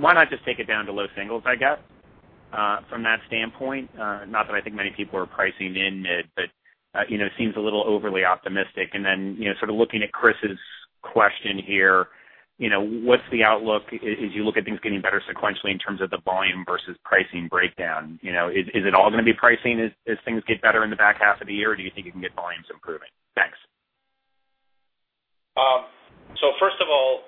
why not just take it down to low singles, I guess, from that standpoint? Not that I think many people are pricing in mid, but it seems a little overly optimistic. Sort of looking at Chris's question here, what's the outlook as you look at things getting better sequentially in terms of the volume versus pricing breakdown? Is it all going to be pricing as things get better in the back half of the year, or do you think you can get volumes improving? Thanks. First of all,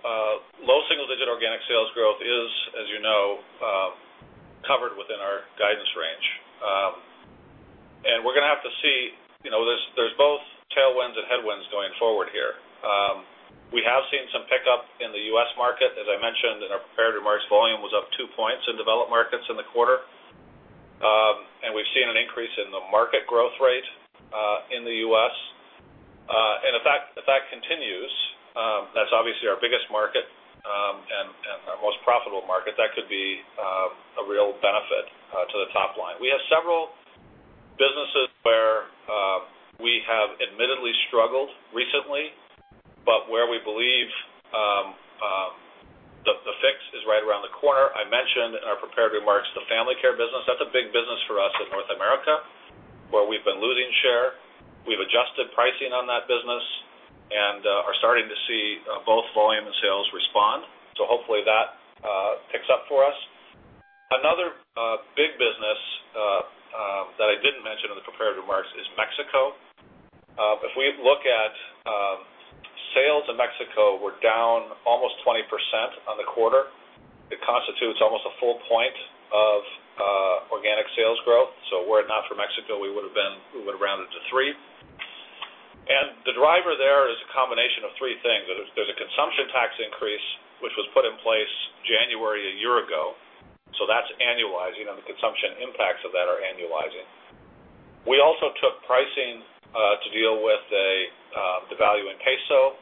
low single-digit organic sales growth is, as you know, covered within our guidance range. We're going to have to see, there's both tailwinds and headwinds going forward here. We have seen some pickup in the U.S. market. As I mentioned in our prepared remarks, volume was up two points in developed markets in the quarter. We've seen an increase in the market growth rate in the U.S. If that continues, that's obviously our biggest market and our most profitable market. That could be a real benefit to the top line. We have several businesses where we have admittedly struggled recently, but where we believe the fix is right around the corner. I mentioned in our prepared remarks the Family Care business. That's a big business for us in North America, where we've been losing share. We've adjusted pricing on that business and are starting to see both volume and sales respond. Hopefully that picks up for us. Another big business that I didn't mention in the prepared remarks is Mexico. If we look at sales in Mexico, we're down almost 20% on the quarter. It constitutes almost a full point of organic sales growth. Were it not for Mexico, we would have rounded to three. The driver there is a combination of three things. There's a consumption tax increase, which was put in place January a year ago. That's annualizing, and the consumption impacts of that are annualizing. We also took pricing to deal with the value in peso,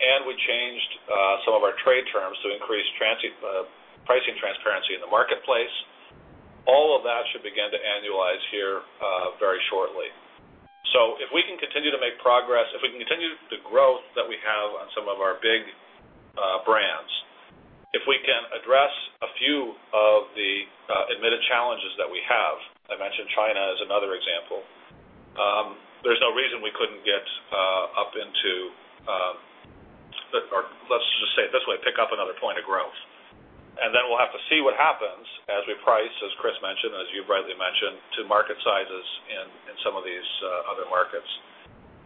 and we changed some of our trade terms to increase pricing transparency in the marketplace. All of that should begin to annualize here very shortly. If we can continue to make progress, if we can continue the growth that we have on some of our big brands, if we can address a few of the admitted challenges that we have, I mentioned China as another example, there's no reason we couldn't get up into, or let's just say it this way, pick up another point of growth. Then we'll have to see what happens as we price, as Chris mentioned, as you Bradley mentioned, to market sizes in some of these other markets.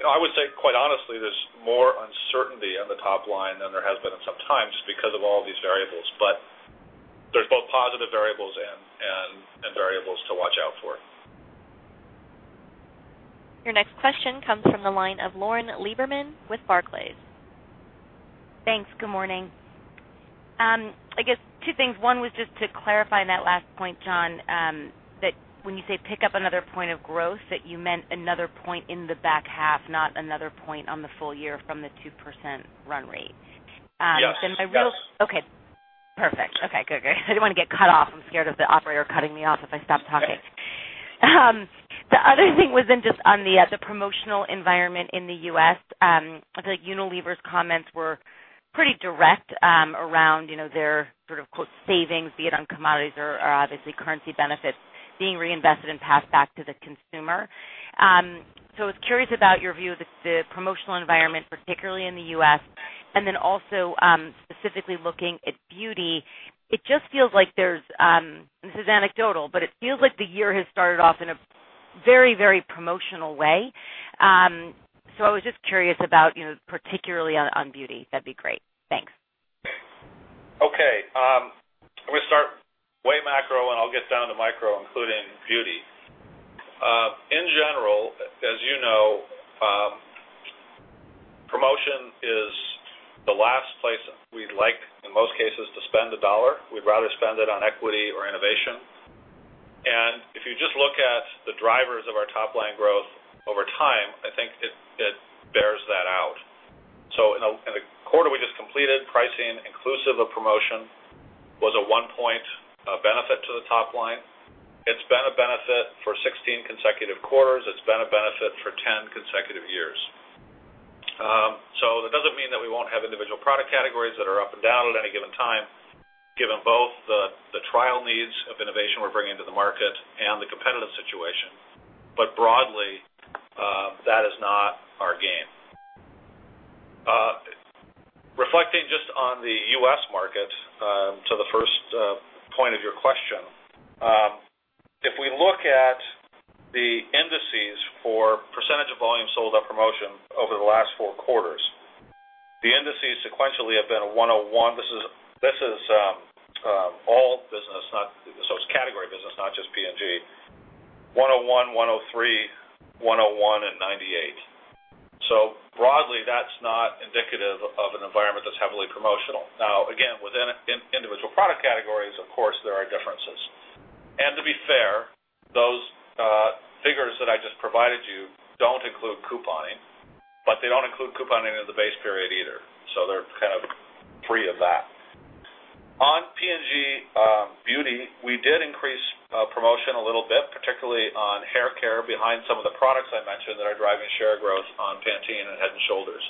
I would say quite honestly, there's more uncertainty in the top line than there has been in some time just because of all these variables, but there's both positive variables and variables to watch out for. Your next question comes from the line of Lauren Lieberman with Barclays. Thanks. Good morning. I guess two things. One was just to clarify that last point, Jon, that when you say pick up another point of growth, that you meant another point in the back half, not another point on the full year from the 2% run rate. Yes. Okay, perfect. Okay, good. I didn't want to get cut off. I'm scared of the operator cutting me off if I stop talking. The other thing was just on the promotional environment in the U.S. I feel like Unilever's comments were pretty direct around their sort of quote, savings, be it on commodities or obviously currency benefits being reinvested and passed back to the consumer. I was curious about your view of the promotional environment, particularly in the U.S., and then also specifically looking at beauty. This is anecdotal, but it feels like the year has started off in a very promotional way. I was just curious about, particularly on beauty. That'd be great. Thanks. Okay. I'm going to start way macro, and I'll get down to micro, including beauty. In general, as you know, promotion is the last place we'd like, in most cases, to spend a dollar. We'd rather spend it on equity or innovation. If you just look at the drivers of our top line growth over time, I think it bears that out. In the quarter we just completed, pricing inclusive of promotion was a one point benefit to the top line. It's been a benefit for 16 consecutive quarters. It's been a benefit for 10 consecutive years. That doesn't mean that we won't have individual product categories that are up and down at any given time, given both the trial needs of innovation we're bringing to the market and the competitive situation. Broadly, that is not our game. Reflecting just on the U.S. market, to the first point of your question, if we look at the indices for percentage of volume sold on promotion over the last four quarters, the indices sequentially have been 101. This is all business, so it's category business, not just P&G. 101, 103, 101, and 98. Broadly, that's not indicative of an environment that's heavily promotional. Now, again, within individual product categories, of course, there are differences. To be fair, those figures that I just provided you don't include couponing, but they don't include couponing in the base period either, so they're kind of free of that. On P&G Beauty, we did increase promotion a little bit, particularly on hair care behind some of the products I mentioned that are driving share growth on Pantene and Head & Shoulders.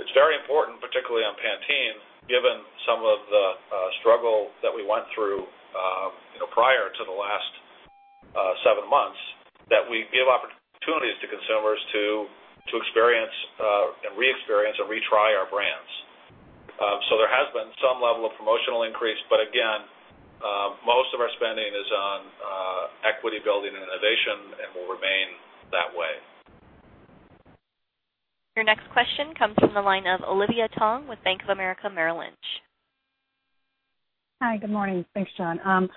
It's very important, particularly on Pantene, given some of the struggle that we went through prior to the last seven months, that we give opportunities to consumers to experience and re-experience and retry our brands. There has been some level of promotional increase, but again, most of our spending is on equity building and innovation and will remain that way. Your next question comes from the line of Olivia Tong with Bank of America Merrill Lynch. Hi, good morning. Thanks, Jon. On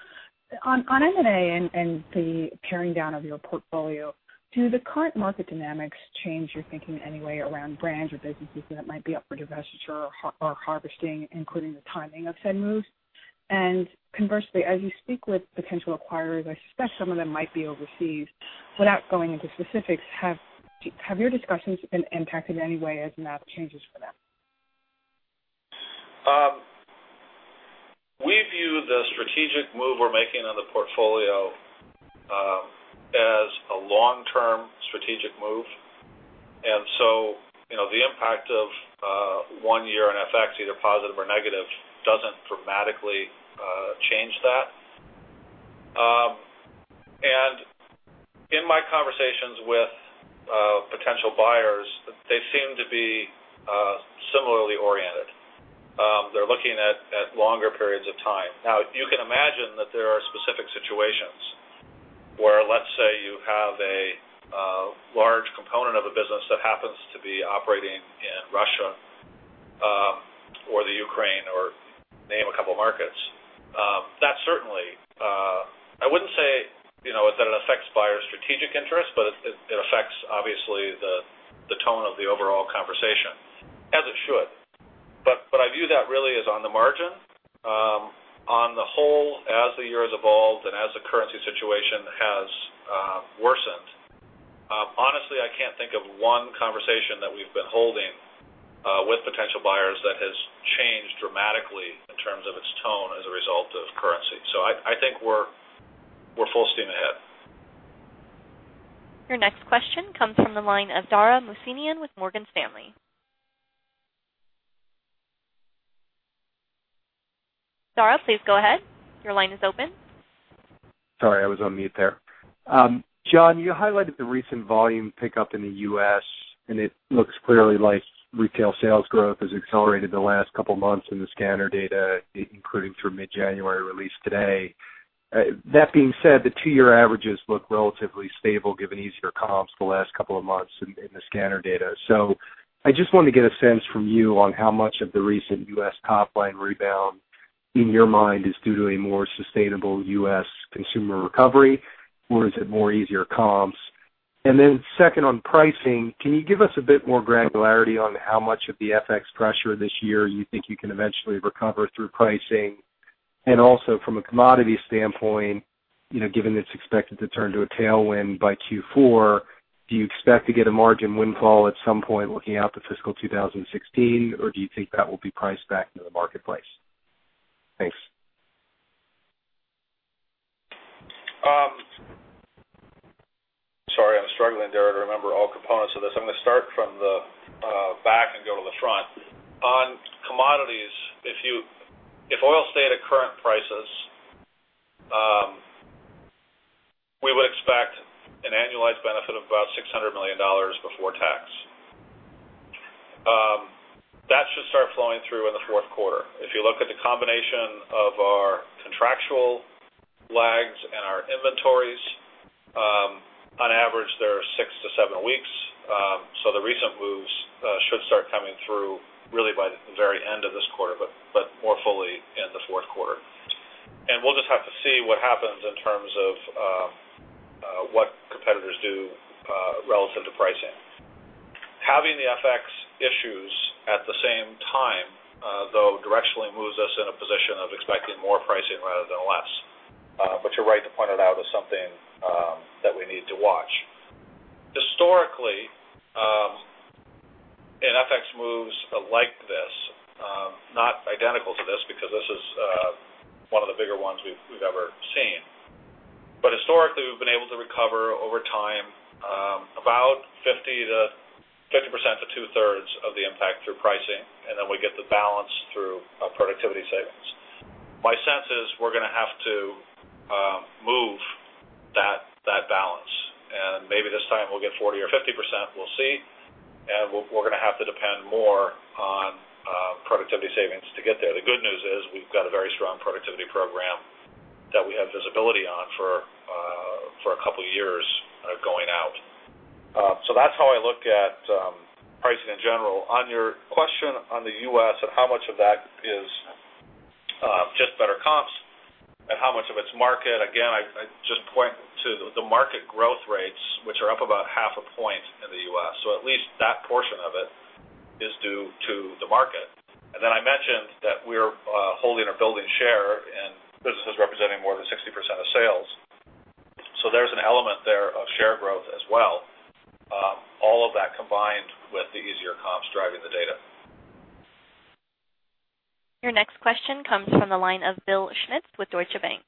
M&A and the paring down of your portfolio, do the current market dynamics change your thinking in any way around brands or businesses that might be up for divestiture or harvesting, including the timing of said moves? Conversely, as you speak with potential acquirers, I suspect some of them might be overseas. Without going into specifics, have your discussions been impacted in any way as in the opportunities for that? We view the strategic move we're making on the portfolio as a long-term strategic move, and so the impact of one year in FX, either positive or negative, doesn't dramatically change that. In my conversations with potential buyers, they seem to be. They're looking at longer periods of time. Now, you can imagine that there are specific situations where, let's say you have a large component of a business that happens to be operating in Russia or Ukraine or name a couple markets. That certainly, I wouldn't say, that it affects buyer strategic interest, but it affects obviously the tone of the overall conversation as it should. I view that really as on the margin, on the whole, as the year has evolved and as the currency situation has worsened. Honestly, I can't think of one conversation that we've been holding with potential buyers that has changed dramatically in terms of its tone as a result of currency. I think we're full steam ahead. Your next question comes from the line of Dara Mohsenian with Morgan Stanley. Dara, please go ahead. Your line is open. Sorry, I was on mute there. Jon, you highlighted the recent volume pickup in the U.S., it looks clearly like retail sales growth has accelerated the last couple months in the scanner data, including through mid-January release today. That being said, the two-year averages look relatively stable given easier comps the last couple of months in the scanner data. I just want to get a sense from you on how much of the recent U.S. top-line rebound in your mind is due to a more sustainable U.S. consumer recovery, or is it more easier comps? Second, on pricing, can you give us a bit more granularity on how much of the FX pressure this year you think you can eventually recover through pricing? Also from a commodity standpoint, given it's expected to turn to a tailwind by Q4, do you expect to get a margin windfall at some point looking out to fiscal 2016, or do you think that will be priced back into the marketplace? Thanks. Sorry, I'm struggling, Dara, to remember all components of this. I'm going to start from the back and go to the front. On commodities, if oil stayed at current prices, we would expect an annualized benefit of about $600 million before tax. That should start flowing through in the fourth quarter. If you look at the combination of our contractual lags and our inventories, on average they are six to seven weeks. The recent moves should start coming through really by the very end of this quarter, but more fully in the fourth quarter. We'll just have to see what happens in terms of what competitors do relative to pricing. Having the FX issues at the same time, though, directionally moves us in a position of expecting more pricing rather than less. You're right to point it out as something that we need to watch. Historically, in FX moves like this, not identical to this because this is one of the bigger ones we've ever seen. Historically, we've been able to recover over time about 50% to two-thirds of the impact through pricing, and then we get the balance through productivity savings. My sense is we're going to have to move that balance, and maybe this time we'll get 40% or 50%, we'll see. We're going to have to depend more on productivity savings to get there. The good news is we've got a very strong productivity program that we have visibility on for a couple years going out. That's how I look at pricing in general. On your question on the U.S. and how much of that is just better comps and how much of it's market, again, I just point to the market growth rates, which are up about half a point in the U.S. At least that portion of it is due to the market. Then I mentioned that we're holding or building share in businesses representing more than 60% of sales. There's an element there of share growth as well. All of that combined with the easier comps driving the data. Your next question comes from the line of Bill Schmitz with Deutsche Bank.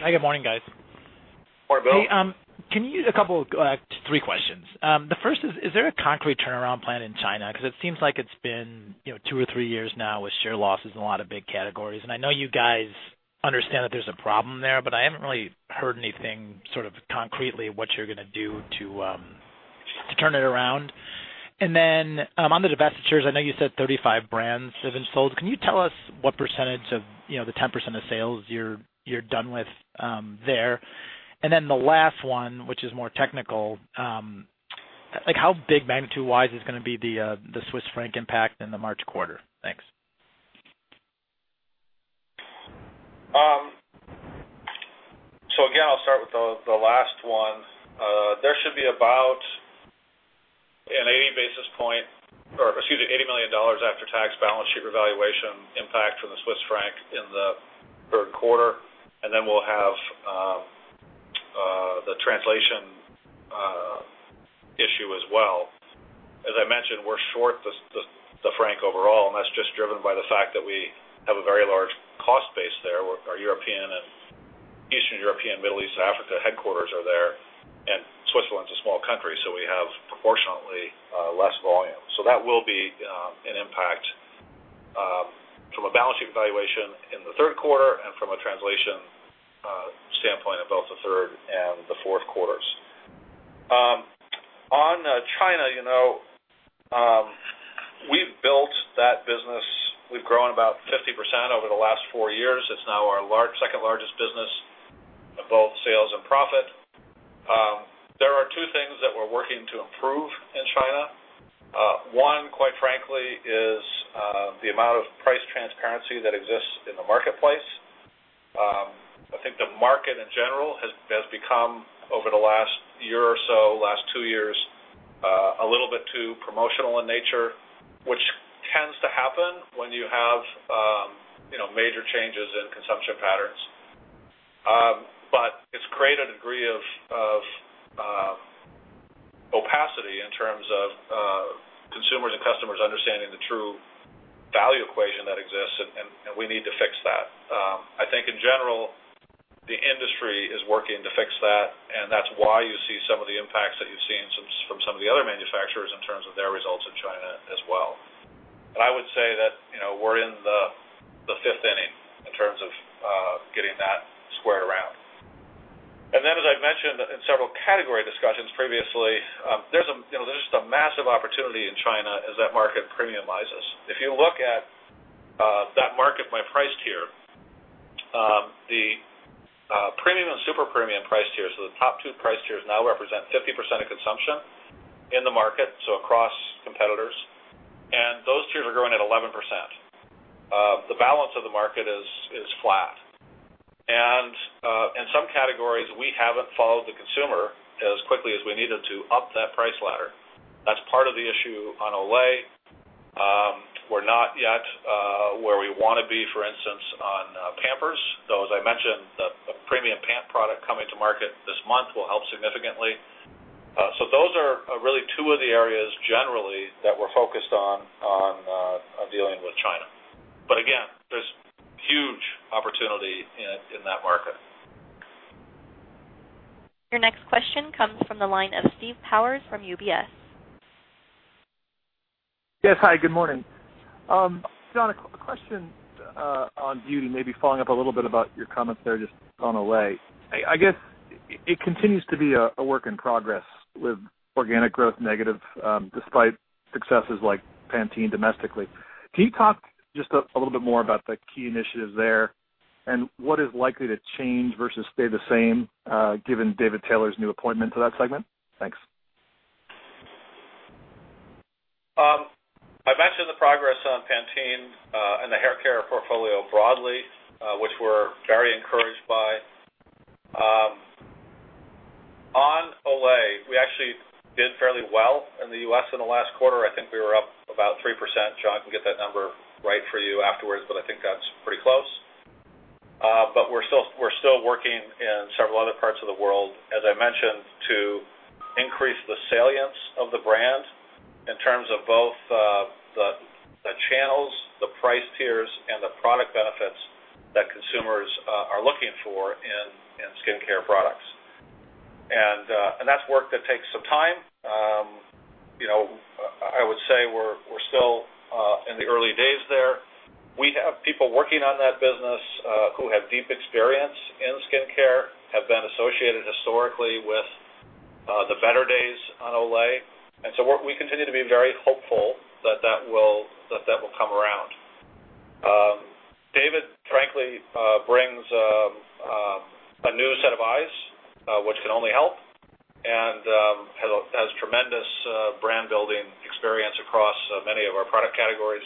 Hi, good morning, guys. Good morning, Bill. Hey, a couple, three questions. The first is there a concrete turnaround plan in China? It seems like it's been two or three years now with share losses in a lot of big categories. I know you guys understand that there's a problem there. I haven't really heard anything sort of concretely what you're going to do to turn it around. On the divestitures, I know you said 35 brands have been sold. Can you tell us what percentage of the 10% of sales you're done with there? The last one, which is more technical, how big magnitude-wise is going to be the Swiss franc impact in the March quarter? Thanks. Again, I'll start with the last one. There should be about an 80 basis point or excuse me, $80 million after-tax balance sheet revaluation impact from the Swiss franc in the third quarter. We'll have the translation issue as well. As I mentioned, we're short the franc overall. That's just driven by the fact that we have a very large cost base there. Our European and Eastern European, Middle East, Africa headquarters are there. Switzerland's a small country, we have proportionately less volume. That will be an impact from a balance sheet valuation in the third quarter and from a translation standpoint in both the third and the fourth quarters. On China, we've built that business. We've grown about 50% over the last four years. It's now our second largest business of both sales and profit. There are two things that we're working to improve in China. One, quite frankly, is the amount of price transparency that exists in the marketplace. I think the market, in general, has become, over the last year or so, last two years, a little bit too promotional in nature, which tends to happen when you have major changes in consumption patterns. It's created a degree of opacity in terms of consumers and customers understanding the true value equation that exists, we need to fix that. I think in general, the industry is working to fix that's why you see some of the impacts that you've seen from some of the other manufacturers in terms of their results in China as well. I would say that we're in the fifth inning in terms of getting that squared around. As I've mentioned in several category discussions previously, there's just a massive opportunity in China as that market premiumizes. If you look at that market by price tier, the premium and super premium price tier, the top 2 price tiers now represent 50% of consumption in the market, across competitors, those tiers are growing at 11%. The balance of the market is flat. In some categories, we haven't followed the consumer as quickly as we needed to up that price ladder. That's part of the issue on Olay. We're not yet where we want to be, for instance, on Pampers, though, as I mentioned, the premium pant product coming to market this month will help significantly. Those are really two of the areas generally that we're focused on dealing with China. Again, there's huge opportunity in that market. Your next question comes from the line of Stephen Powers from UBS. Yes. Hi, good morning. Jon, a question on beauty, maybe following up a little bit about your comments there just on Olay. I guess it continues to be a work in progress with organic growth negative, despite successes like Pantene domestically. Can you talk just a little bit more about the key initiatives there, what is likely to change versus stay the same, given David Taylor's new appointment to that segment? Thanks. I mentioned the progress on Pantene, and the haircare portfolio broadly, which we're very encouraged by. On Olay, we actually did fairly well in the U.S. in the last quarter. I think we were up about 3%. Jon can get that number right for you afterwards, but I think that's pretty close. We're still working in several other parts of the world, as I mentioned, to increase the salience of the brand in terms of both the channels, the price tiers, and the product benefits that consumers are looking for in skincare products. That's work that takes some time. I would say we're still in the early days there. We have people working on that business who have deep experience in skincare, have been associated historically with the better days on Olay, and so we continue to be very hopeful that that will come around. David frankly brings a new set of eyes, which can only help, and has tremendous brand-building experience across many of our product categories.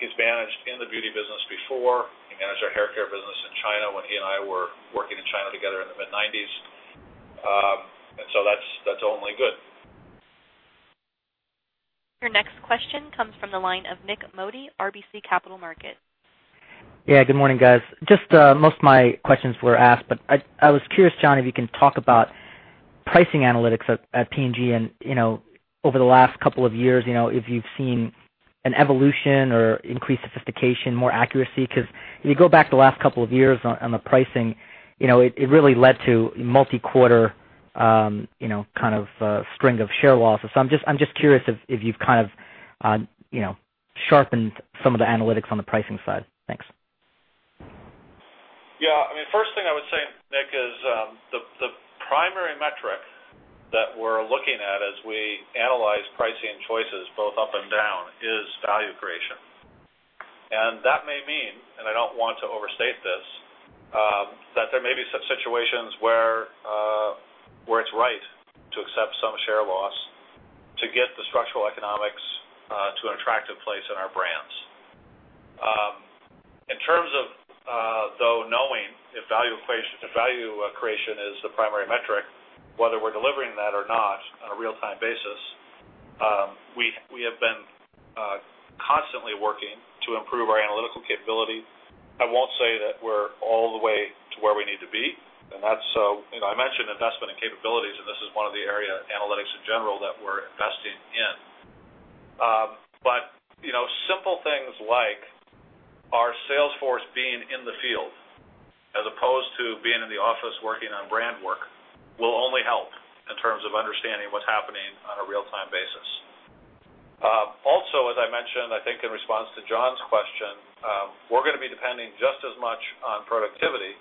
He's managed in the beauty business before. He managed our haircare business in China when he and I were working in China together in the mid-'90s. That's only good. Your next question comes from the line of Nik Modi, RBC Capital Markets. Yeah. Good morning, guys. Most of my questions were asked, but I was curious, Jon, if you can talk about pricing analytics at P&G and over the last couple of years, if you've seen an evolution or increased sophistication, more accuracy. Because if you go back the last couple of years on the pricing, it really led to multi-quarter string of share losses. I'm just curious if you've sharpened some of the analytics on the pricing side. Thanks. Yeah. First thing I would say, Nik, is the primary metric that we're looking at as we analyze pricing choices both up and down is value creation. That may mean, and I don't want to overstate this, that there may be some situations where it's right to accept some share loss to get the structural economics to an attractive place in our brands. In terms of though knowing if value creation is the primary metric, whether we're delivering that or not on a real-time basis, we have been constantly working to improve our analytical capability. I won't say that we're all the way to where we need to be. I mentioned investment in capabilities, and this is one of the areas, analytics in general, that we're investing in. Simple things like our sales force being in the field as opposed to being in the office working on brand work will only help in terms of understanding what's happening on a real-time basis. Mentioned, I think in response to John's question, we're going to be depending just as much on productivity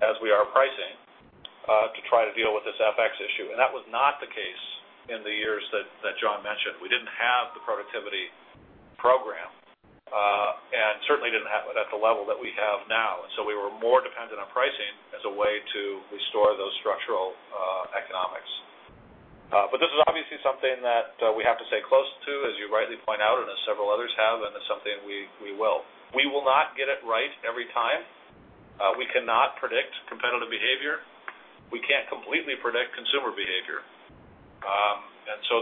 as we are pricing to try to deal with this FX issue. That was not the case in the years that John mentioned. We didn't have the productivity program, and certainly didn't have it at the level that we have now, and so we were more dependent on pricing as a way to restore those structural economics. This is obviously something that we have to stay close to, as you rightly point out, and as several others have. It's something we will. We will not get it right every time. We cannot predict competitive behavior. We can't completely predict consumer behavior.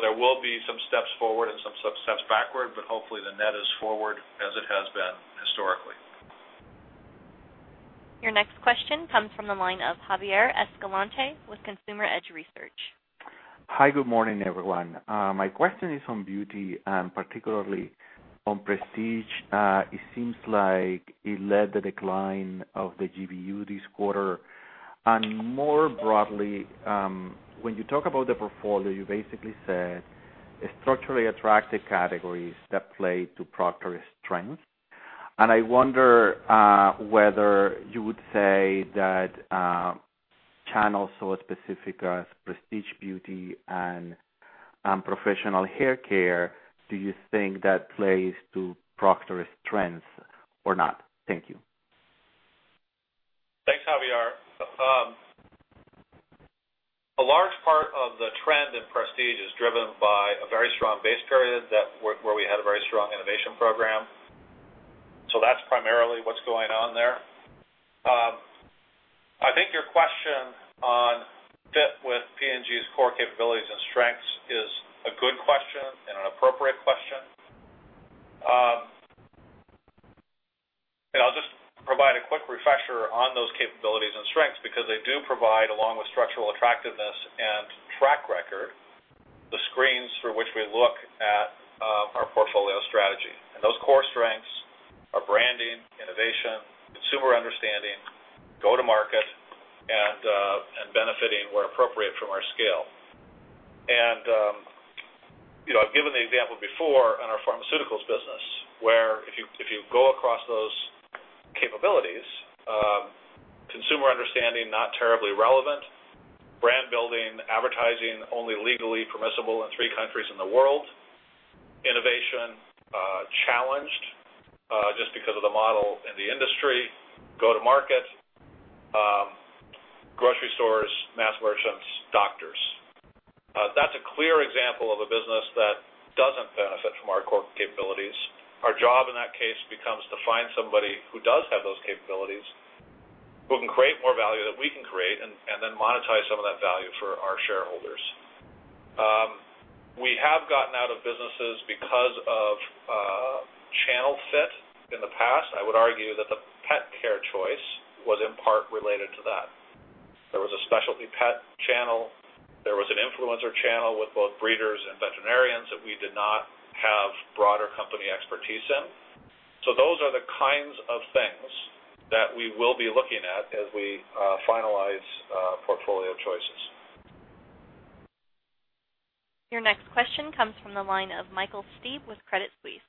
There will be some steps forward and some steps backward, but hopefully the net is forward as it has been historically. Your next question comes from the line of Javier Escalante with Consumer Edge Research. Hi, good morning, everyone. My question is on beauty and particularly on prestige. It seems like it led the decline of the GBU this quarter. More broadly, when you talk about the portfolio, you basically said structurally attractive categories that play to Procter's strength. I wonder whether you would say that channels so specific as prestige beauty and professional haircare, do you think that plays to Procter's strengths or not? Thank you. Thanks, Javier. A large part of the trend in prestige is driven by a very strong base period where we had a very strong innovation program. That's primarily what's going on there. I think your question on fit with P&G's core capabilities and strengths is a good question and an appropriate question. I'll just provide a quick refresher on those capabilities and strengths because they do provide, along with structural attractiveness and track record, the screens through which we look at our portfolio strategy. Those core strengths are branding, innovation, consumer understanding, go-to-market, and benefiting where appropriate from our scale. I've given the example before in our pharmaceuticals business, where if you go across those capabilities, consumer understanding, not terribly relevant. Brand building, advertising, only legally permissible in three countries in the world. Innovation, challenged, just because of the model in the industry. Go-to-market, grocery stores, mass merchants, doctors. That's a clear example of a business that doesn't benefit from our core capabilities. Our job in that case becomes to find somebody who does have those capabilities, who can create more value that we can create, and then monetize some of that value for our shareholders. We have gotten out of businesses because of channel fit in the past. I would argue that the pet care choice was in part related to that. There was a specialty pet channel. There was an influencer channel with both breeders and veterinarians that we did not have broader company expertise in. Those are the kinds of things that we will be looking at as we finalize portfolio choices. Your next question comes from the line of Michael Webber with Credit Suisse.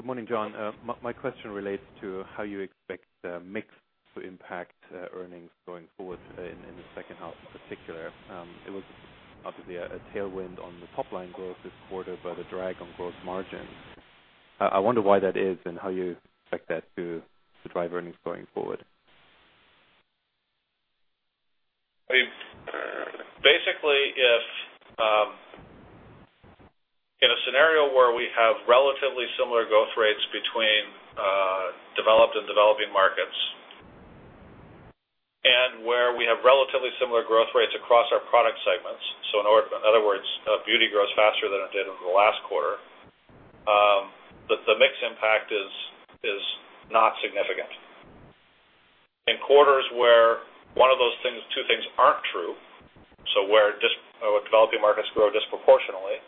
Good morning, John. My question relates to how you expect mix to impact earnings going forward in the second half in particular. It was obviously a tailwind on the top-line growth this quarter, but a drag on gross margins. I wonder why that is and how you expect that to drive earnings going forward. Basically, in a scenario where we have relatively similar growth rates between developed and developing markets, and where we have relatively similar growth rates across our product segments, so in other words, beauty grows faster than it did over the last quarter, the mix impact is not significant. In quarters where one of those two things aren't true, so where developing markets grow disproportionately,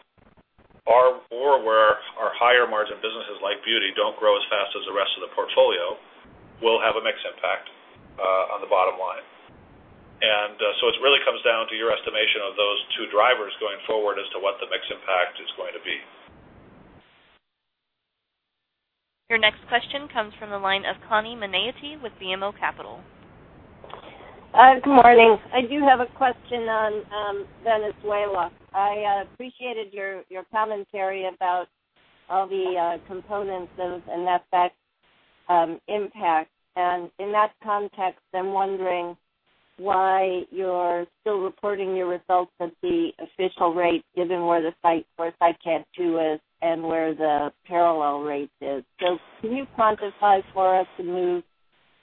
or where our higher margin businesses like beauty don't grow as fast as the rest of the portfolio, we'll have a mix impact on the bottom line. It really comes down to your estimation of those two drivers going forward as to what the mix impact is going to be. Your next question comes from the line of Connie Maneaty with BMO Capital. Good morning. I do have a question on Venezuela. I appreciated your commentary about all the components of an FX impact. In that context, I'm wondering why you're still reporting your results at the official rate, given where the SICAD II is and where the parallel rate is. Can you quantify for us the move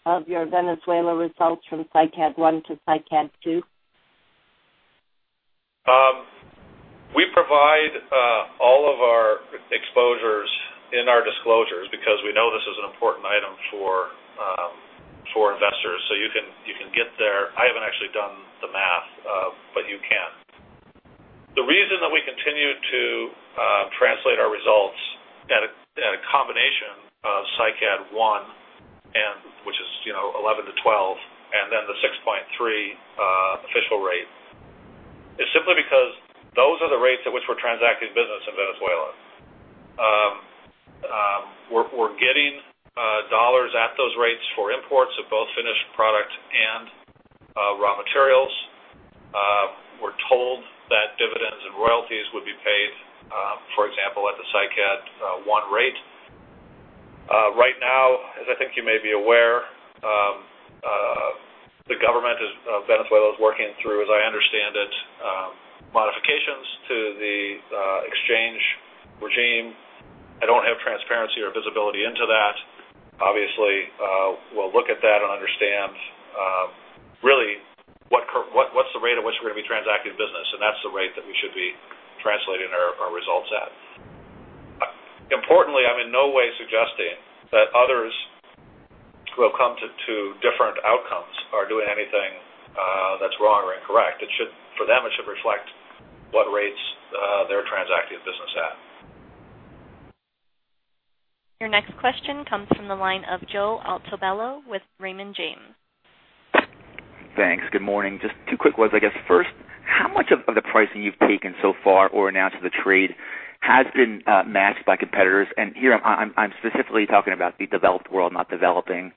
of your Venezuela results from SICAD I to SICAD II? We provide all of our exposures in our disclosures because we know this is an important item for investors. You can get there. I haven't actually done the math, but you can. The reason that we continue to translate our results at a combination of SICAD I 11 to 12, and then the 6.3 official rate, is simply because those are the rates at which we're transacting business in Venezuela. We're getting $ at those rates for imports of both finished product and raw materials. We're told that dividends and royalties would be paid, for example, at the SICAD I rate. Right now, as I think you may be aware, the government of Venezuela is working through, as I understand it, modifications to the exchange regime. I don't have transparency or visibility into that. Obviously, we'll look at that and understand really what's the rate at which we're going to be transacting business, and that's the rate that we should be translating our results at. Importantly, I'm in no way suggesting that others who have come to two different outcomes are doing anything that's wrong or incorrect. For them, it should reflect what rates they're transacting business at. Your next question comes from the line of Joseph Altobello with Raymond James. Thanks. Good morning. Just two quick ones, I guess. First, how much of the pricing you've taken so far or announced to the trade has been matched by competitors? Here, I'm specifically talking about the developed world, not developing.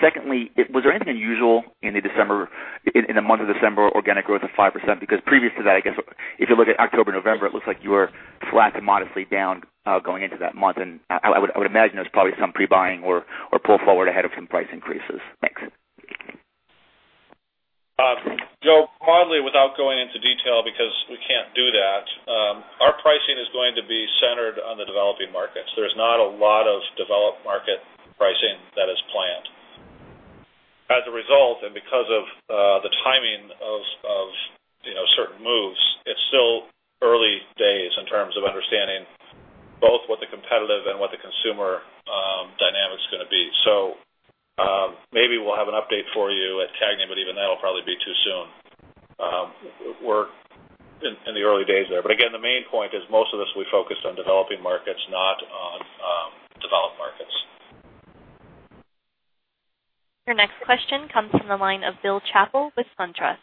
Secondly, was there anything unusual in the month of December organic growth of 5%? Because previous to that, I guess if you look at October, November, it looks like you were flat to modestly down going into that month. I would imagine there's probably some pre-buying or pull forward ahead of some price increases. Thanks. Joe, broadly, without going into detail, because we can't do that, our pricing is going to be centered on the developing markets. There's not a lot of developed market pricing that is planned. As a result, and because of the timing of certain moves, it's still early days in terms of understanding both what the competitive and what the consumer dynamic's going to be. Maybe we'll have an update for you at CAGNY, but even that'll probably be too soon. We're in the early days there. Again, the main point is most of this will be focused on developing markets, not on developed markets. Your next question comes from the line of Bill Chappell with SunTrust.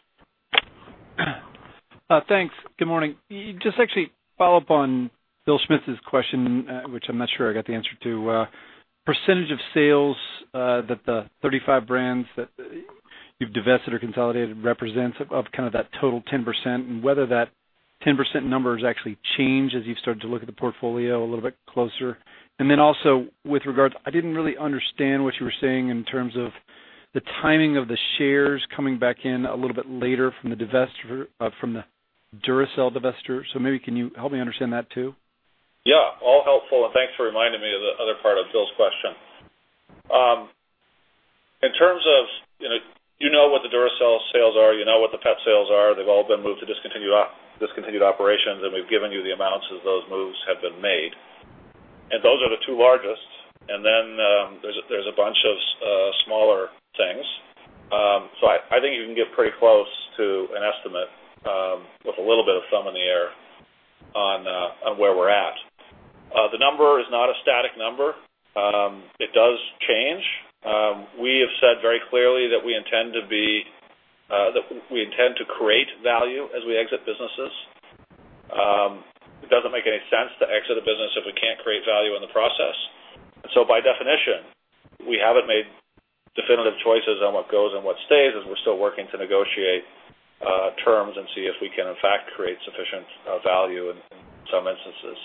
Thanks. Good morning. Just actually follow up on Bill Schmitz's question, which I'm not sure I got the answer to, percentage of sales that the 35 brands that you've divested or consolidated represents of that total 10%, and whether that 10% number has actually changed as you've started to look at the portfolio a little bit closer. Then also, with regards, I didn't really understand what you were saying in terms of the timing of the shares coming back in a little bit later from the Duracell divestiture. Maybe can you help me understand that, too? Yeah. All helpful, and thanks for reminding me of the other part of Bill's question. You know what the Duracell sales are, you know what the pet sales are. They've all been moved to discontinued operations, and we've given you the amounts as those moves have been made. Those are the two largest, and then there's a bunch of smaller things. I think you can get pretty close to an estimate, with a little bit of thumb in the air, on where we're at. The number is not a static number. It does change. We have said very clearly that we intend to create value as we exit businesses. It doesn't make any sense to exit a business if we can't create value in the process. By definition, we haven't made definitive choices on what goes and what stays, as we're still working to negotiate terms and see if we can, in fact, create sufficient value in some instances.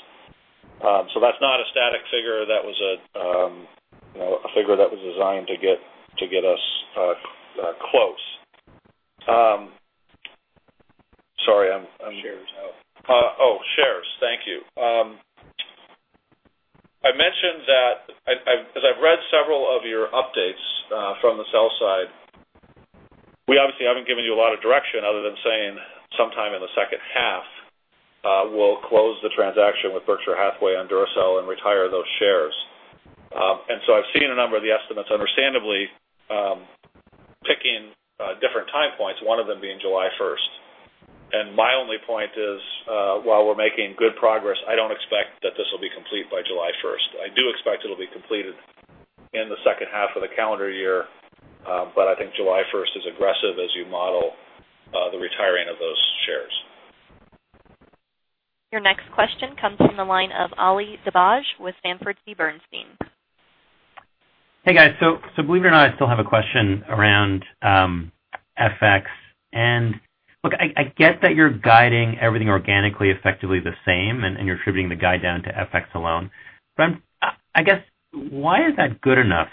That's not a static figure. That was a figure that was designed to get us close. Shares. Oh, shares. Thank you. As I've read several of your updates from the sell side, we obviously haven't given you a lot of direction other than saying sometime in the second half we'll close the transaction with Berkshire Hathaway on Duracell and retire those shares. I've seen a number of the estimates, understandably, picking different time points, one of them being July 1st. My only point is, while we're making good progress, I don't expect that this will be complete by July 1st. I do expect it'll be completed in the second half of the calendar year. I think July 1st is aggressive as you model the retiring of those shares. Your next question comes from the line of Ali Dibadj with Sanford C. Bernstein. Hey, guys. Believe it or not, I still have a question around FX. Look, I get that you're guiding everything organically effectively the same, and you're attributing the guide down to FX alone. I guess, why is that good enough?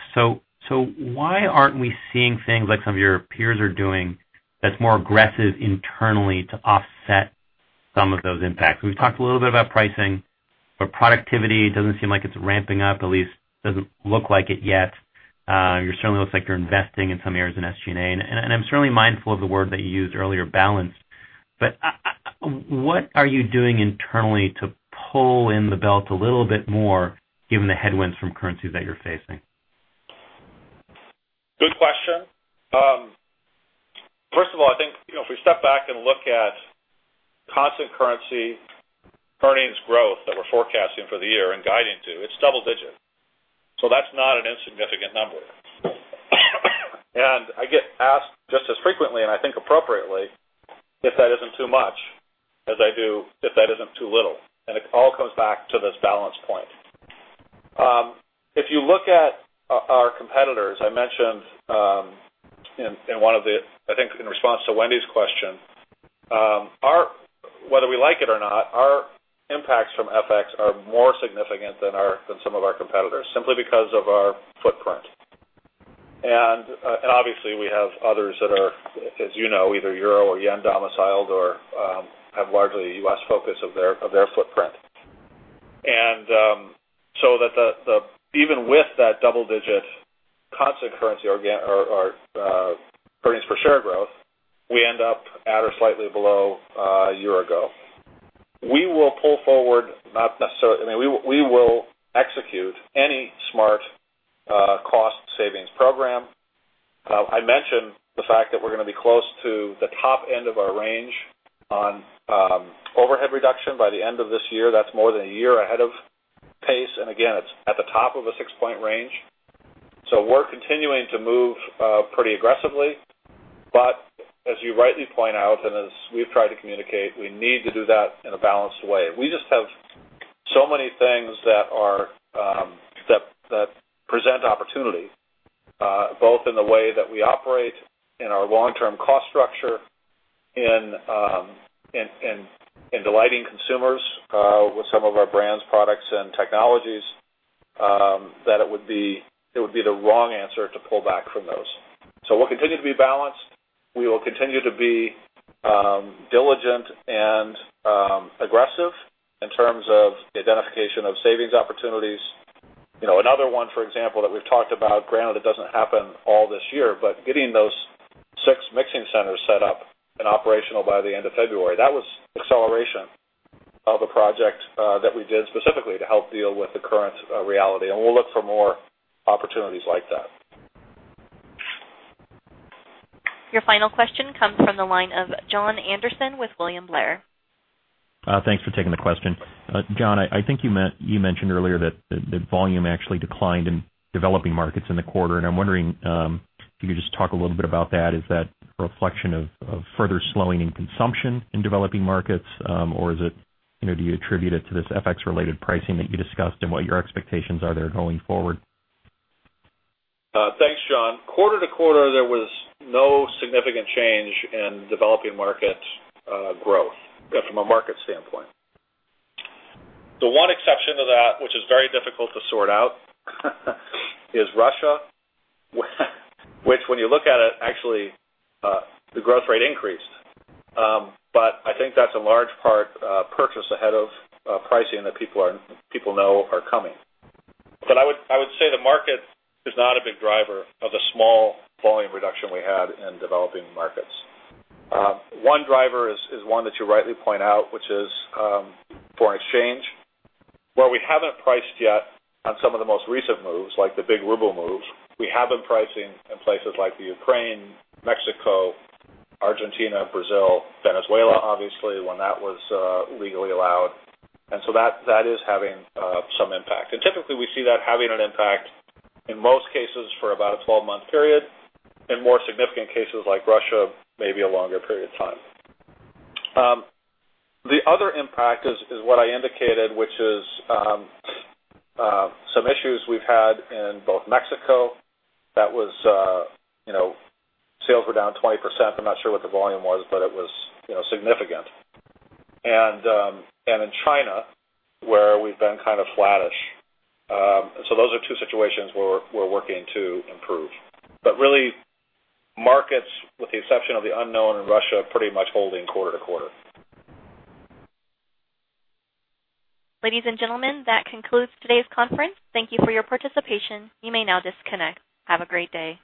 Why aren't we seeing things like some of your peers are doing that's more aggressive internally to offset some of those impacts? We've talked a little bit about pricing, but productivity doesn't seem like it's ramping up, at least doesn't look like it yet. You certainly looks like you're investing in some areas in SG&A. I'm certainly mindful of the word that you used earlier, balanced. What are you doing internally to pull in the belt a little bit more given the headwinds from currencies that you're facing? Good question. We can look at constant currency earnings growth that we're forecasting for the year and guiding to, it's double-digit. That's not an insignificant number. I get asked just as frequently, and I think appropriately, if that isn't too much as I do if that isn't too little. It all comes back to this balance point. If you look at our competitors, I mentioned, I think in response to Wendy's question, whether we like it or not, our impacts from FX are more significant than some of our competitors, simply because of our footprint. Obviously we have others that are, as you know, either euro or yen domiciled or have largely U.S. focus of their footprint. Even with that double-digit constant currency earnings per share growth, we end up at or slightly below a year ago. We will execute any smart cost savings program. I mentioned the fact that we're going to be close to the top end of our range on overhead reduction by the end of this year. That's more than a year ahead of pace, and again, it's at the top of a six-point range. We're continuing to move pretty aggressively. As you rightly point out and as we've tried to communicate, we need to do that in a balanced way. We just have so many things that present opportunity, both in the way that we operate in our long-term cost structure, in delighting consumers with some of our brands, products, and technologies, that it would be the wrong answer to pull back from those. We'll continue to be balanced. We will continue to be diligent and aggressive in terms of the identification of savings opportunities. Another one, for example, that we've talked about, granted it doesn't happen all this year, but getting those 6 mixing centers set up and operational by the end of February. That was acceleration of a project that we did specifically to help deal with the current reality. We'll look for more opportunities like that. Your final question comes from the line of Jon Andersen with William Blair. Thanks for taking the question. John, I think you mentioned earlier that volume actually declined in developing markets in the quarter, and I'm wondering if you could just talk a little bit about that. Is that a reflection of further slowing in consumption in developing markets? Or do you attribute it to this FX-related pricing that you discussed and what your expectations are there going forward? Thanks, John. Quarter-to-quarter, there was no significant change in developing market growth from a market standpoint. The one exception to that, which is very difficult to sort out, is Russia, which when you look at it, actually, the growth rate increased. I think that's in large part purchase ahead of pricing that people know are coming. I would say the market is not a big driver of the small volume reduction we had in developing markets. One driver is one that you rightly point out, which is foreign exchange. Where we haven't priced yet on some of the most recent moves, like the big ruble moves, we have been pricing in places like Ukraine, Mexico, Argentina, Brazil, Venezuela, obviously, when that was legally allowed. That is having some impact. Typically, we see that having an impact in most cases for about a 12-month period. In more significant cases like Russia, maybe a longer period of time. The other impact is what I indicated, which is some issues we've had in both Mexico, sales were down 20%. I'm not sure what the volume was, but it was significant. In China, where we've been kind of flattish. Those are two situations where we're working to improve. Really, markets, with the exception of the unknown in Russia, pretty much holding quarter-to-quarter. Ladies and gentlemen, that concludes today's conference. Thank you for your participation. You may now disconnect. Have a great day.